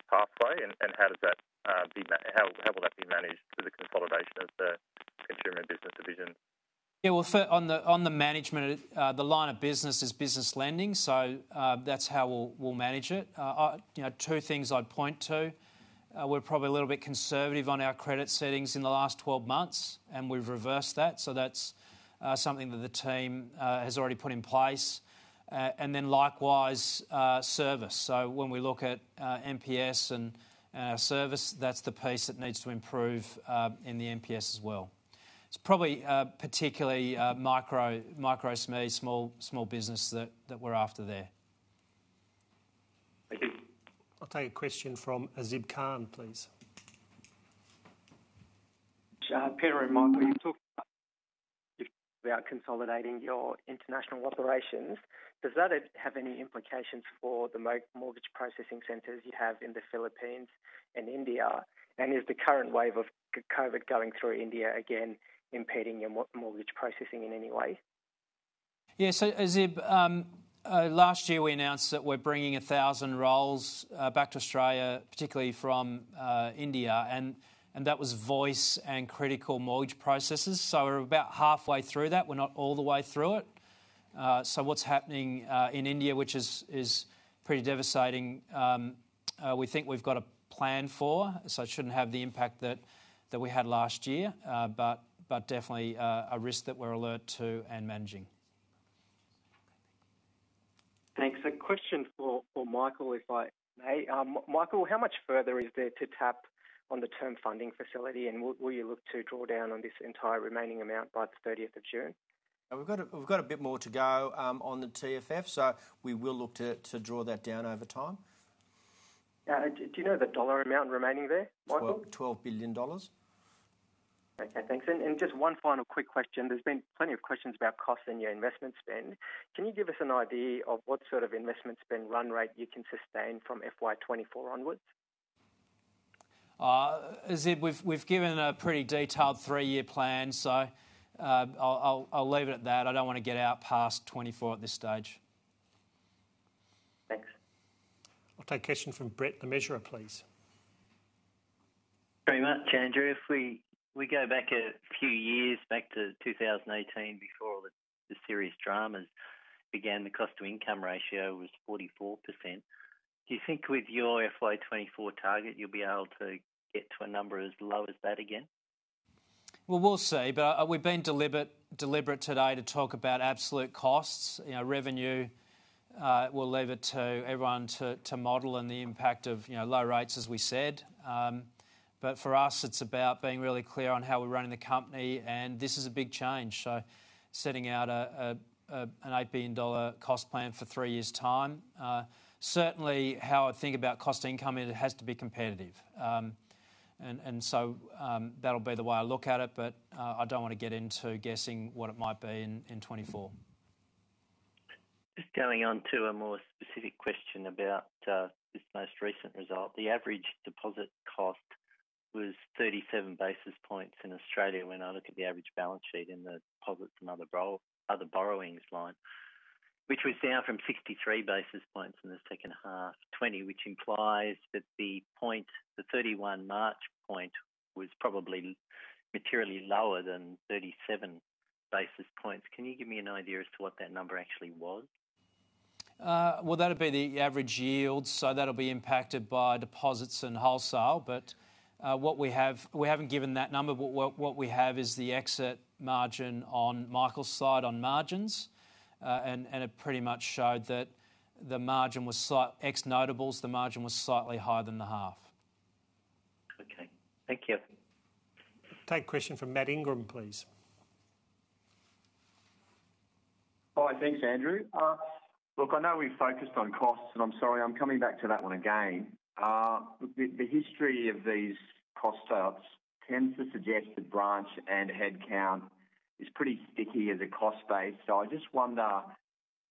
Speaker 12: pathway, and how will that be managed through the consolidation of the consumer and business division?
Speaker 2: Yeah. Well, on the management, the line of business is business lending. That's how we'll manage it. Two things I'd point to. We're probably a little bit conservative on our credit settings in the last 12 months. We've reversed that. That's something that the team has already put in place. Likewise, service. When we look at NPS and our service, that's the piece that needs to improve in the NPS as well. It's probably particularly micro SME, small business, that we're after there.
Speaker 12: Thank you.
Speaker 1: I'll take a question from Azib Khan, please.
Speaker 13: Peter and Michael, you talked about consolidating your international operations. Does that have any implications for the mortgage processing centers you have in the Philippines and India? Is the current wave of COVID going through India again impeding your mortgage processing in any way?
Speaker 2: Yeah. Azib, last year we announced that we're bringing 1,000 roles back to Australia, particularly from India, and that was voice and critical mortgage processes. We're about halfway through that. We're not all the way through it. What's happening in India, which is pretty devastating, we think we've got a plan for, so it shouldn't have the impact that we had last year. Definitely, a risk that we're alert to and managing.
Speaker 13: Thanks. A question for Michael, if I may. Michael, how much further is there to tap on the Term Funding Facility, and will you look to draw down on this entire remaining amount by the 30th of June?
Speaker 3: We've got a bit more to go on the TFF, so we will look to draw that down over time.
Speaker 13: Do you know the dollar amount remaining there, Michael?
Speaker 3: 12 billion dollars.
Speaker 13: Okay, thanks. Just one final quick question. There's been plenty of questions about costs and your investment spend. Can you give us an idea of what sort of investment spend run rate you can sustain from FY 2024 onwards?
Speaker 2: Azib, we've given a pretty detailed three-year plan. I'll leave it at that. I don't want to get out past 2024 at this stage.
Speaker 13: Thanks.
Speaker 1: I'll take a question from Brett Le Mesurier, please.
Speaker 14: Very much, Andrew. If we go back a few years, back to 2018, before all the serious dramas began, the cost-to-income ratio was 44%. Do you think with your FY 2024 target, you'll be able to get to a number as low as that again?
Speaker 2: Well, we'll see. We've been deliberate today to talk about absolute costs. Revenue, we'll leave it to everyone to model and the impact of low rates, as we said. For us, it's about being really clear on how we're running the company, and this is a big change. Setting out an 8 billion dollar cost plan for three years' time. Certainly, how I think about cost to income, it has to be competitive. That'll be the way I look at it. I don't want to get into guessing what it might be in 2024.
Speaker 14: Just going on to a more specific question about this most recent result. The average deposit cost was 37 basis points in Australia when I look at the average balance sheet in the deposits and other borrowings line, which was down from 63 basis points in the second half 2020, which implies that the 31 March point was probably materially lower than 37 basis points. Can you give me an idea as to what that number actually was?
Speaker 2: Well, that'd be the average yield, so that'll be impacted by deposits and wholesale. We haven't given that number. What we have is the exit margin on Michael's slide on margins, and it pretty much showed that ex-notables, the margin was slightly higher than the half.
Speaker 14: Okay. Thank you.
Speaker 1: Take a question from Matt Ingram, please.
Speaker 15: Hi. Thanks, Andrew. Look, I know we've focused on costs, and I'm sorry, I'm coming back to that one again. The history of these cost outs tends to suggest that branch and head count is pretty sticky as a cost base. I just wonder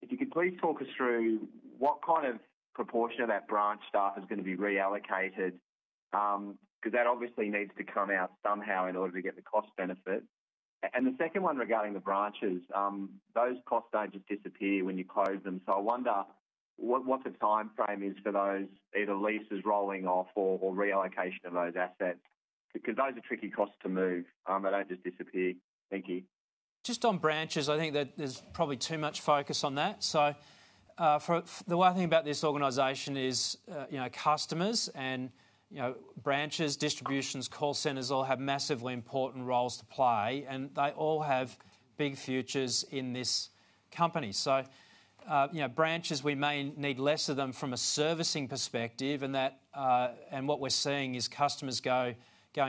Speaker 15: if you could please talk us through what kind of proportion of that branch staff is going to be reallocated. That obviously needs to come out somehow in order to get the cost benefit. The second one regarding the branches, those costs don't just disappear when you close them. I wonder what the timeframe is for those, either leases rolling off or reallocation of those assets, because those are tricky costs to move. They don't just disappear. Thank you.
Speaker 2: Just on branches, I think that there's probably too much focus on that. The way I think about this organization is customers and branches, distributions, call centers, all have massively important roles to play, and they all have big futures in this company. Branches, we may need less of them from a servicing perspective, and what we're seeing is customers going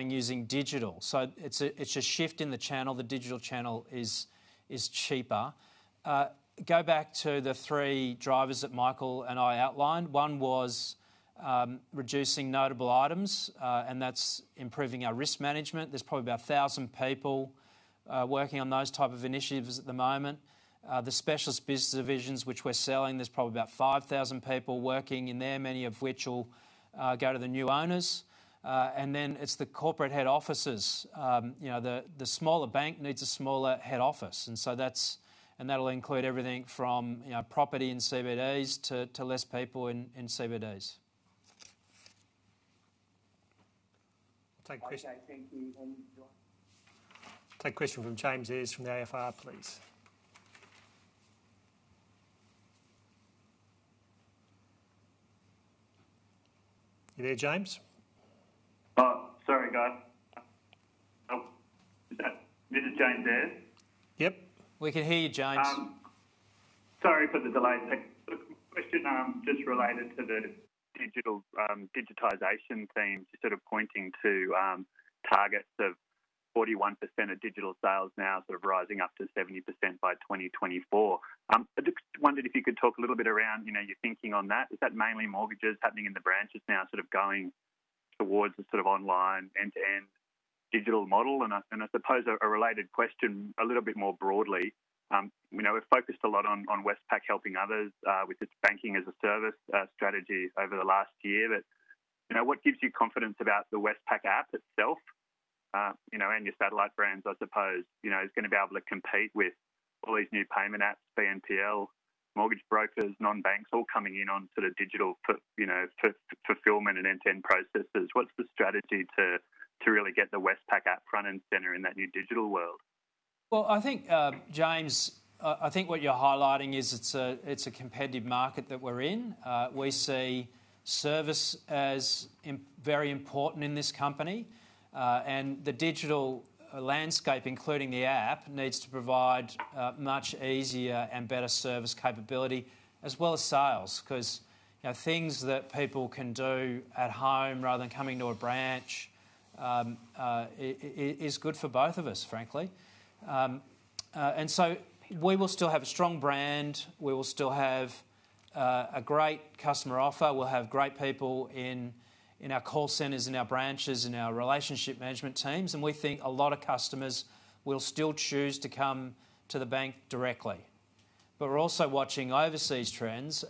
Speaker 2: using digital. It's a shift in the channel. The digital channel is cheaper. Go back to the three drivers that Michael and I outlined. One was reducing notable items, and that's improving our risk management. There's probably about 1,000 people working on those type of initiatives at the moment. The Specialist Businesses divisions, which we're selling, there's probably about 5,000 people working in there, many of which will go to the new owners. It's the corporate head offices. The smaller bank needs a smaller head office, and that'll include everything from property in CBDs to less people in CBDs.
Speaker 1: I'll take a question.
Speaker 15: Okay, thank you.
Speaker 1: I'll take a question from James Eyers from the AFR, please. You there, James?
Speaker 16: Sorry, guys. This is James Eyers.
Speaker 2: Yep, we can hear you, James.
Speaker 16: Sorry for the delay. My question just related to the digitization theme. Just sort of pointing to targets of 41% of digital sales now sort of rising up to 70% by 2024. I just wondered if you could talk a little bit around your thinking on that. Is that mainly mortgages happening in the branches now sort of going towards a sort of online end-to-end digital model? I suppose a related question a little bit more broadly, we've focused a lot on Westpac helping others, with its banking-as-a-service strategy over the last year. What gives you confidence about the Westpac App itself, and your satellite brands, I suppose, is going to be able to compete with all these new payment apps, BNPL-mortgage brokers, non-banks, all coming in on digital fulfillment and end-to-end processes. What's the strategy to really get the Westpac App front and center in that new digital world?
Speaker 2: Well, I think, James, what you're highlighting is it's a competitive market that we're in. We see service as very important in this company. The digital landscape, including the Westpac App, needs to provide much easier and better service capability as well as sales, because things that people can do at home rather than coming to a branch, is good for both of us, frankly. We will still have a strong brand. We will still have a great customer offer. We'll have great people in our call centers, in our branches, and our relationship management teams. We think a lot of customers will still choose to come to the bank directly. We're also watching overseas trends.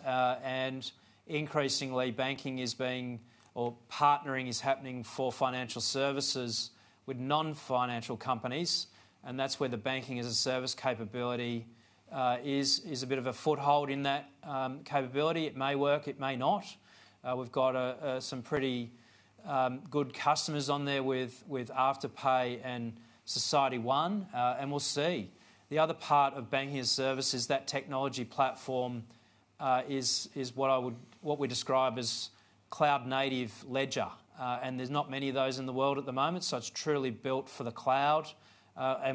Speaker 2: Increasingly banking is being, or partnering is happening for financial services with non-financial companies, and that's where the banking-as-a-service capability is a bit of a foothold in that capability. It may work, it may not. We've got some pretty good customers on there with Afterpay and SocietyOne. We'll see. The other part of banking-as-a-service is that technology platform, is what we describe as cloud native ledger. There's not many of those in the world at the moment. It's truly built for the cloud.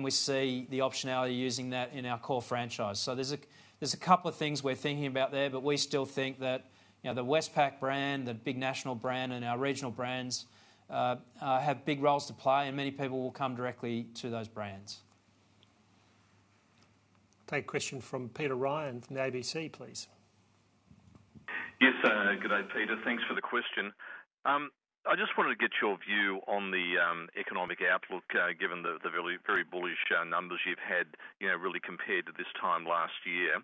Speaker 2: We see the optionality of using that in our core franchise. There's a couple of things we're thinking about there, but we still think that the Westpac brand, the big national brand, and our regional brands, have big roles to play, and many people will come directly to those brands.
Speaker 1: Take a question from Peter Ryan from the ABC, please.
Speaker 17: Yes. Good day, Peter. Thanks for the question. I just wanted to get your view on the economic outlook, given the very bullish numbers you've had, really compared to this time last year.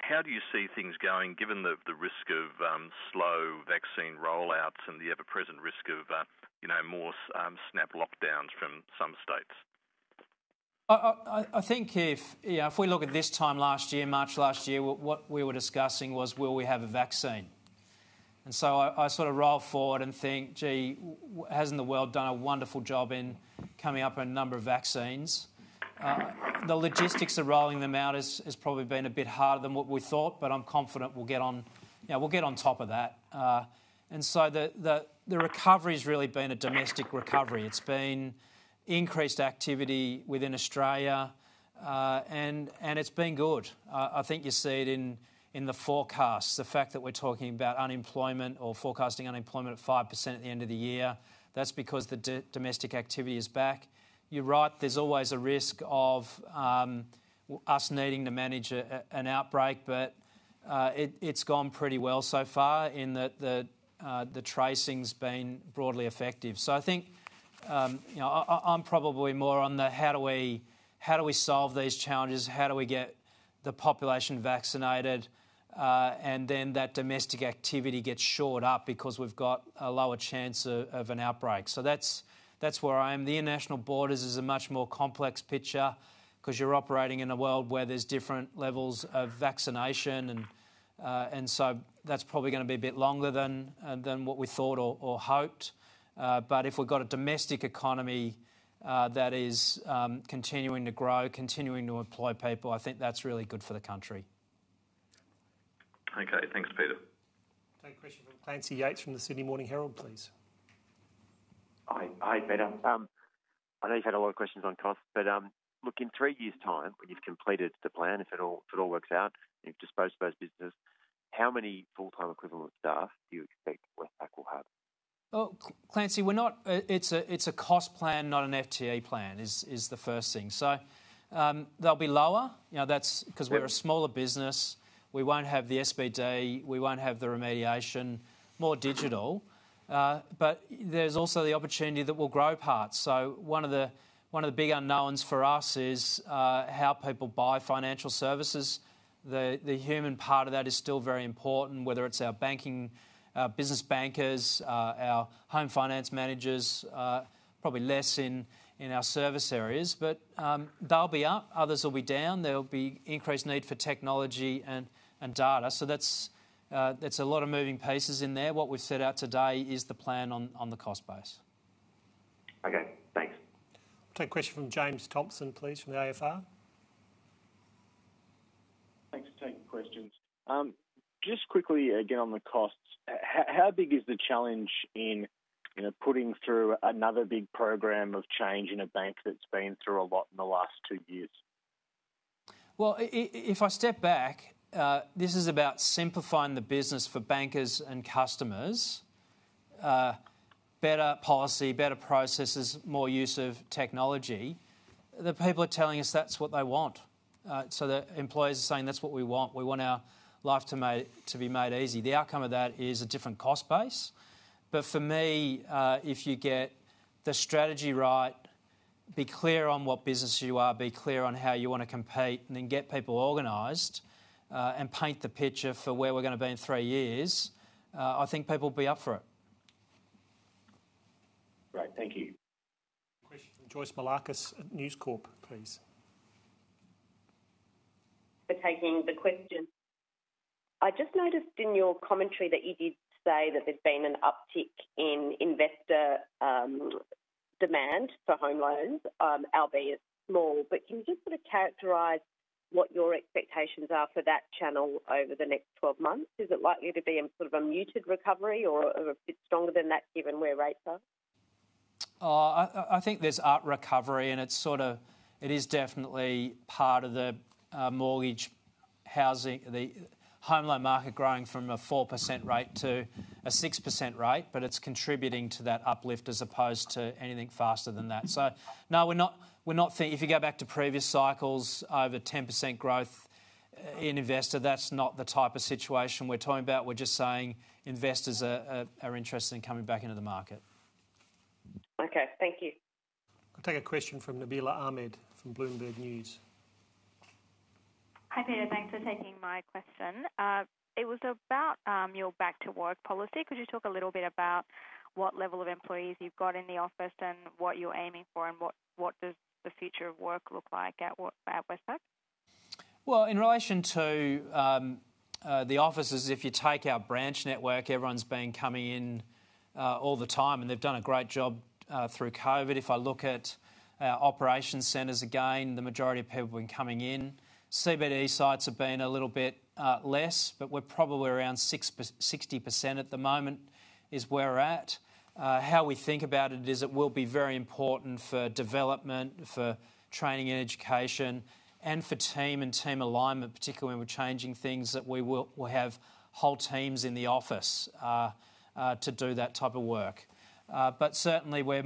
Speaker 17: How do you see things going given the risk of slow vaccine rollouts and the ever-present risk of more snap lockdowns from some states?
Speaker 2: I think if we look at this time last year, March last year, what we were discussing was, will we have a vaccine? I roll forward and think, gee, hasn't the world done a wonderful job in coming up with a number of vaccines? The logistics of rolling them out has probably been a bit harder than what we thought, but I'm confident we'll get on top of that. The recovery's really been a domestic recovery. It's been increased activity within Australia, and it's been good. I think you see it in the forecasts. The fact that we're talking about unemployment or forecasting unemployment at 5% at the end of the year, that's because the domestic activity is back. You're right, there's always a risk of us needing to manage an outbreak, but it's gone pretty well so far in that the tracing's been broadly effective. I think, I'm probably more on the how do we solve these challenges, how do we get the population vaccinated? That domestic activity gets shored up because we've got a lower chance of an outbreak. That's where I am. The international borders is a much more complex picture, because you're operating in a world where there's different levels of vaccination and so that's probably going to be a bit longer than what we thought or hoped. If we've got a domestic economy that is continuing to grow, continuing to employ people, I think that's really good for the country.
Speaker 17: Okay, thanks Peter.
Speaker 1: Take a question from Clancy Yeates from The Sydney Morning Herald, please.
Speaker 18: Hi, Peter. I know you've had a lot of questions on costs, but look, in three years time, when you've completed the plan, if it all works out and you've disposed of those businesses, how many full-time equivalent staff do you expect Westpac will have?
Speaker 2: Well, Clancy, it's a cost plan, not an FTE plan, is the first thing. They'll be lower, because we're a smaller business. We won't have the SBD. We won't have the remediation. More digital. There's also the opportunity that we'll grow parts. One of the big unknowns for us is how people buy financial services. The human part of that is still very important, whether it's our business bankers, our home finance managers, probably less in our service areas. They'll be up. Others will be down. There'll be increased need for technology and data. That's a lot of moving pieces in there. What we've set out today is the plan on the cost base.
Speaker 18: Okay, thanks.
Speaker 1: Take a question from James Thomson, please, from the AFR.
Speaker 19: Thanks for taking the questions. Just quickly, again, on the costs. How big is the challenge in putting through another big program of change in a bank that's been through a lot in the last two years?
Speaker 2: If I step back, this is about simplifying the business for bankers and customers. Better policy, better processes, more use of technology. The people are telling us that's what they want. The employees are saying, "That's what we want. We want our life to be made easy." The outcome of that is a different cost base. For me, if you get the strategy right, be clear on what business you are, be clear on how you want to compete, and then get people organized, and paint the picture for where we're going to be in three years, I think people will be up for it.
Speaker 19: Great. Thank you.
Speaker 1: Question from Joyce Moullakis at News Corp, please.
Speaker 20: For taking the question. I just noticed in your commentary that you did say that there's been an uptick in investor demand for home loans, albeit small. Can you just sort of characterize what your expectations are for that channel over the next 12 months? Is it likely to be in sort of a muted recovery or a bit stronger than that given where rates are?
Speaker 2: I think there's recovery and it is definitely part of the home loan market growing from a 4% rate to a 6% rate, but it's contributing to that uplift as opposed to anything faster than that. No, if you go back to previous cycles, over 10% growth in investor, that's not the type of situation we're talking about. We're just saying investors are interested in coming back into the market.
Speaker 20: Okay. Thank you.
Speaker 1: I'll take a question from Nabila Ahmed from Bloomberg News.
Speaker 21: Hi, Peter. Thanks for taking my question. It was about your back to work policy. Could you talk a little bit about what level of employees you've got in the office, and what you're aiming for, and what does the future of work look like at Westpac?
Speaker 2: Well, in relation to the offices, if you take our branch network, everyone's been coming in all the time, and they've done a great job through COVID. If I look at our operations centers, again, the majority of people have been coming in. CBD sites have been a little bit less. We're probably around 60% at the moment, is where we're at. How we think about it is it will be very important for development, for training and education, and for team and team alignment, particularly when we're changing things, that we will have whole teams in the office to do that type of work. Certainly, we've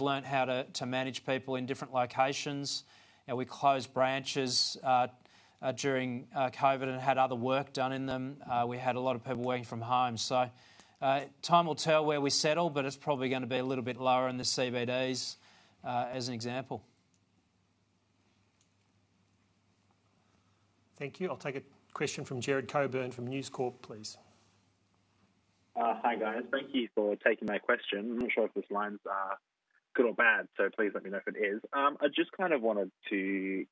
Speaker 2: learned how to manage people in different locations. We closed branches during COVID and had other work done in them. We had a lot of people working from home. Time will tell where we settle, but it's probably going to be a little bit lower in the CBDs, as an example.
Speaker 1: Thank you. I'll take a question from Gerard Cockburn from News Corp, please.
Speaker 22: Hi, guys. Thank you for taking my question. I'm not sure if this line's good or bad, so please let me know if it is. I just kind of wanted to,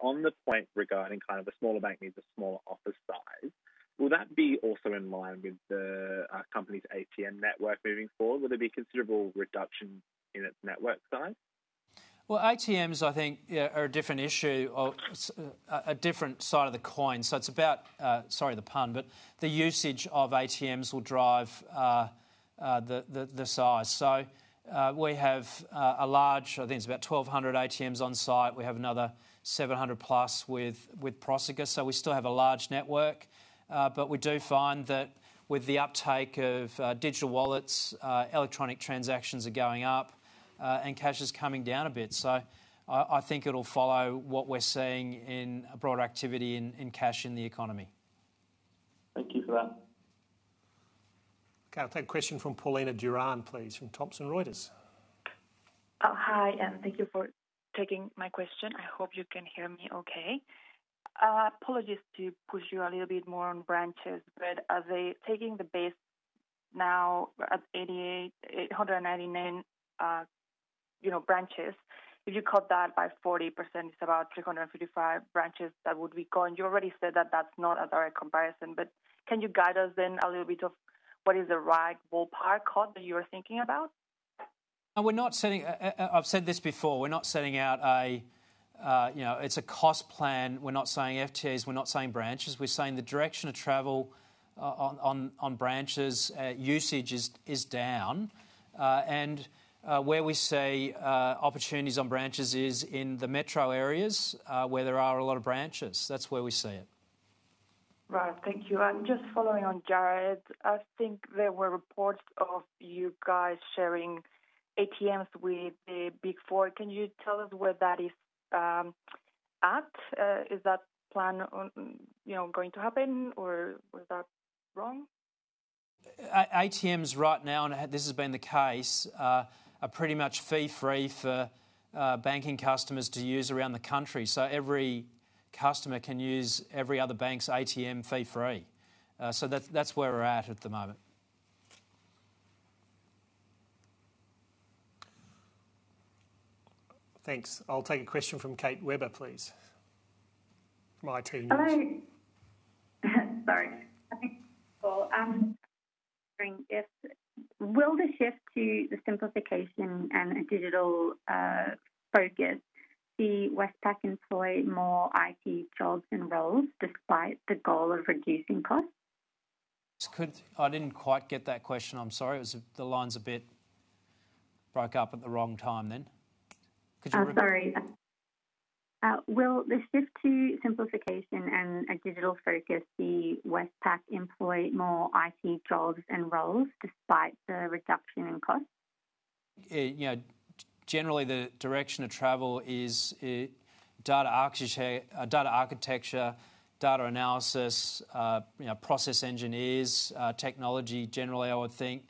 Speaker 22: on the point regarding kind of a smaller bank means a smaller office size, will that be also in line with the company's ATM network moving forward? Will there be considerable reduction in its network size?
Speaker 2: ATMs, I think, are a different issue, a different side of the coin. It's about, sorry the pun, the usage of ATMs will drive the size. We have a large, I think it's about 1,200 ATMs on site. We have another 700+ with Prosegur, we still have a large network. We do find that with the uptake of digital wallets, electronic transactions are going up, and cash is coming down a bit. I think it'll follow what we're seeing in broader activity in cash in the economy.
Speaker 22: Thank you for that.
Speaker 1: Okay, I'll take a question from Paulina Duran, please, from Thomson Reuters.
Speaker 23: Hi, thank you for taking my question. I hope you can hear me okay. Apologies to push you a little bit more on branches, are they taking the base now at 889 branches? If you cut that by 40%, it's about 355 branches that would be gone. You already said that that's not a direct comparison, can you guide us then a little bit of what is the right ballpark cut that you are thinking about?
Speaker 2: I've said this before. It's a cost plan. We're not saying FTEs, we're not saying branches. We're saying the direction of travel on branches usage is down. Where we see opportunities on branches is in the metro areas, where there are a lot of branches. That's where we see it.
Speaker 23: Right. Thank you. Just following on Jarrod, I think there were reports of you guys sharing ATMs with the Big Four. Can you tell us where that is at? Is that plan going to happen or was that wrong?
Speaker 2: ATMs right now, and this has been the case, are pretty much fee-free for banking customers to use around the country. Every customer can use every other bank's ATM fee-free. That's where we're at at the moment.
Speaker 1: Thanks. I'll take a question from Kate Weber, please, from iTnews.
Speaker 24: Hello. Sorry. Will the shift to the simplification and a digital focus see Westpac employ more IT jobs and roles despite the goal of reducing costs?
Speaker 2: I didn't quite get that question, I'm sorry. The lines a bit broke up at the wrong time then. Could you repeat that?
Speaker 24: Sorry. Will the shift to simplification and a digital focus see Westpac employ more IT jobs and roles despite the reduction in costs?
Speaker 2: Generally the direction of travel is data architecture, data analysis, process engineers, technology. Generally, I would think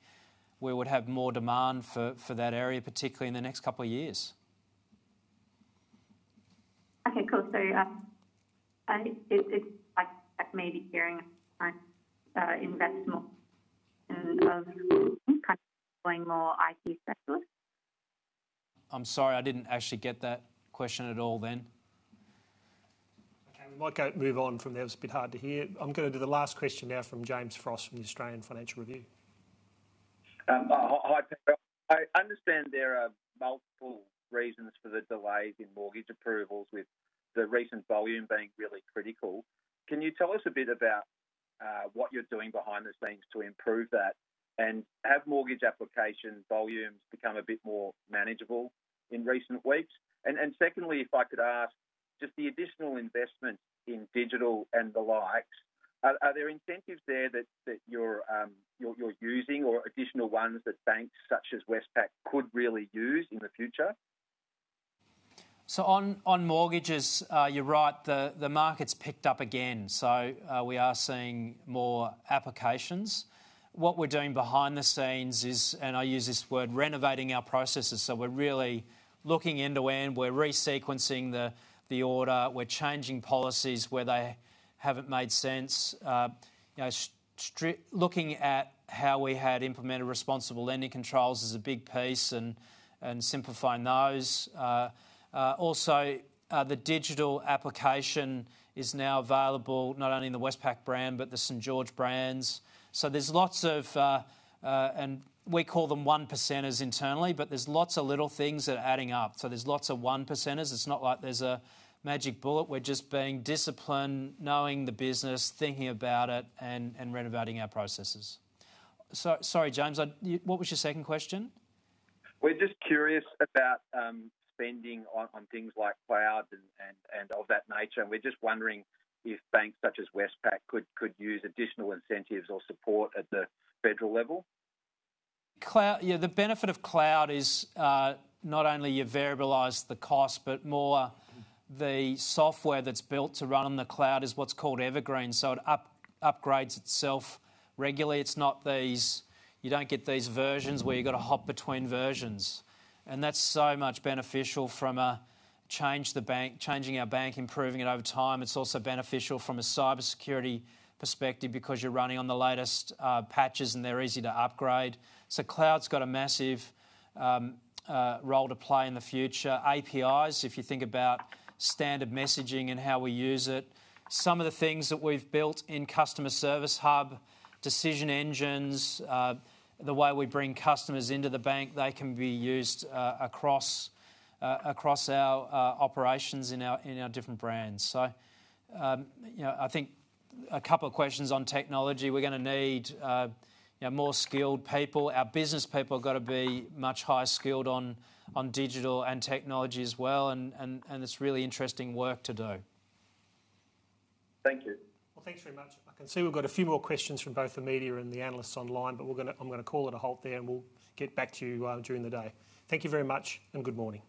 Speaker 2: we would have more demand for that area, particularly in the next couple of years.
Speaker 24: Okay, cool. It's like maybe hearing kind of invest more in terms of kind of employing more IT specialists?
Speaker 2: I'm sorry, I didn't actually get that question at all then.
Speaker 1: Okay, we might go move on from there. It was a bit hard to hear. I'm going to do the last question now from James Frost from Australian Financial Review.
Speaker 25: Hi, Peter. I understand there are multiple reasons for the delays in mortgage approvals with the recent volume being really critical. Can you tell us a bit about what you're doing behind the scenes to improve that? Have mortgage application volumes become a bit more manageable in recent weeks? Secondly, if I could ask, just the additional investment in digital and the like, are there incentives there that you're using or additional ones that banks such as Westpac could really use in the future?
Speaker 2: On mortgages, you're right, the market's picked up again, so we are seeing more applications. What we're doing behind the scenes is, and I use this word, renovating our processes. We're really looking end to end. We're resequencing the order. We're changing policies where they haven't made sense. Looking at how we had implemented responsible lending controls is a big piece and simplifying those. Also, the digital application is now available not only in the Westpac brand, but the St.George brands. There's lots of, and we call them one percenters internally, but there's lots of little things that are adding up. There's lots of one percenters. It's not like there's a magic bullet. We're just being disciplined, knowing the business, thinking about it, and renovating our processes. Sorry, James, what was your second question?
Speaker 25: We're just curious about spending on things like cloud and of that nature. We're just wondering if banks such as Westpac could use additional incentives or support at the federal level.
Speaker 2: Yeah, the benefit of cloud is, not only you variabilize the cost, but more the software that's built to run on the cloud is what's called evergreen, so it upgrades itself regularly. You don't get these versions where you've got to hop between versions, and that's so much beneficial from changing our bank, improving it over time. It's also beneficial from a cybersecurity perspective because you're running on the latest patches, and they're easy to upgrade. Cloud's got a massive role to play in the future. APIs, if you think about standard messaging and how we use it. Some of the things that we've built in Customer Service Hub, decision engines, the way we bring customers into the bank, they can be used across our operations in our different brands. I think a couple of questions on technology. We're going to need more skilled people. Our business people have got to be much higher skilled on digital and technology as well, and it's really interesting work to do.
Speaker 25: Thank you.
Speaker 1: Well, thanks very much. I can see we've got a few more questions from both the media and the analysts online, but I'm going to call it a halt there, and we'll get back to you during the day. Thank you very much and good morning.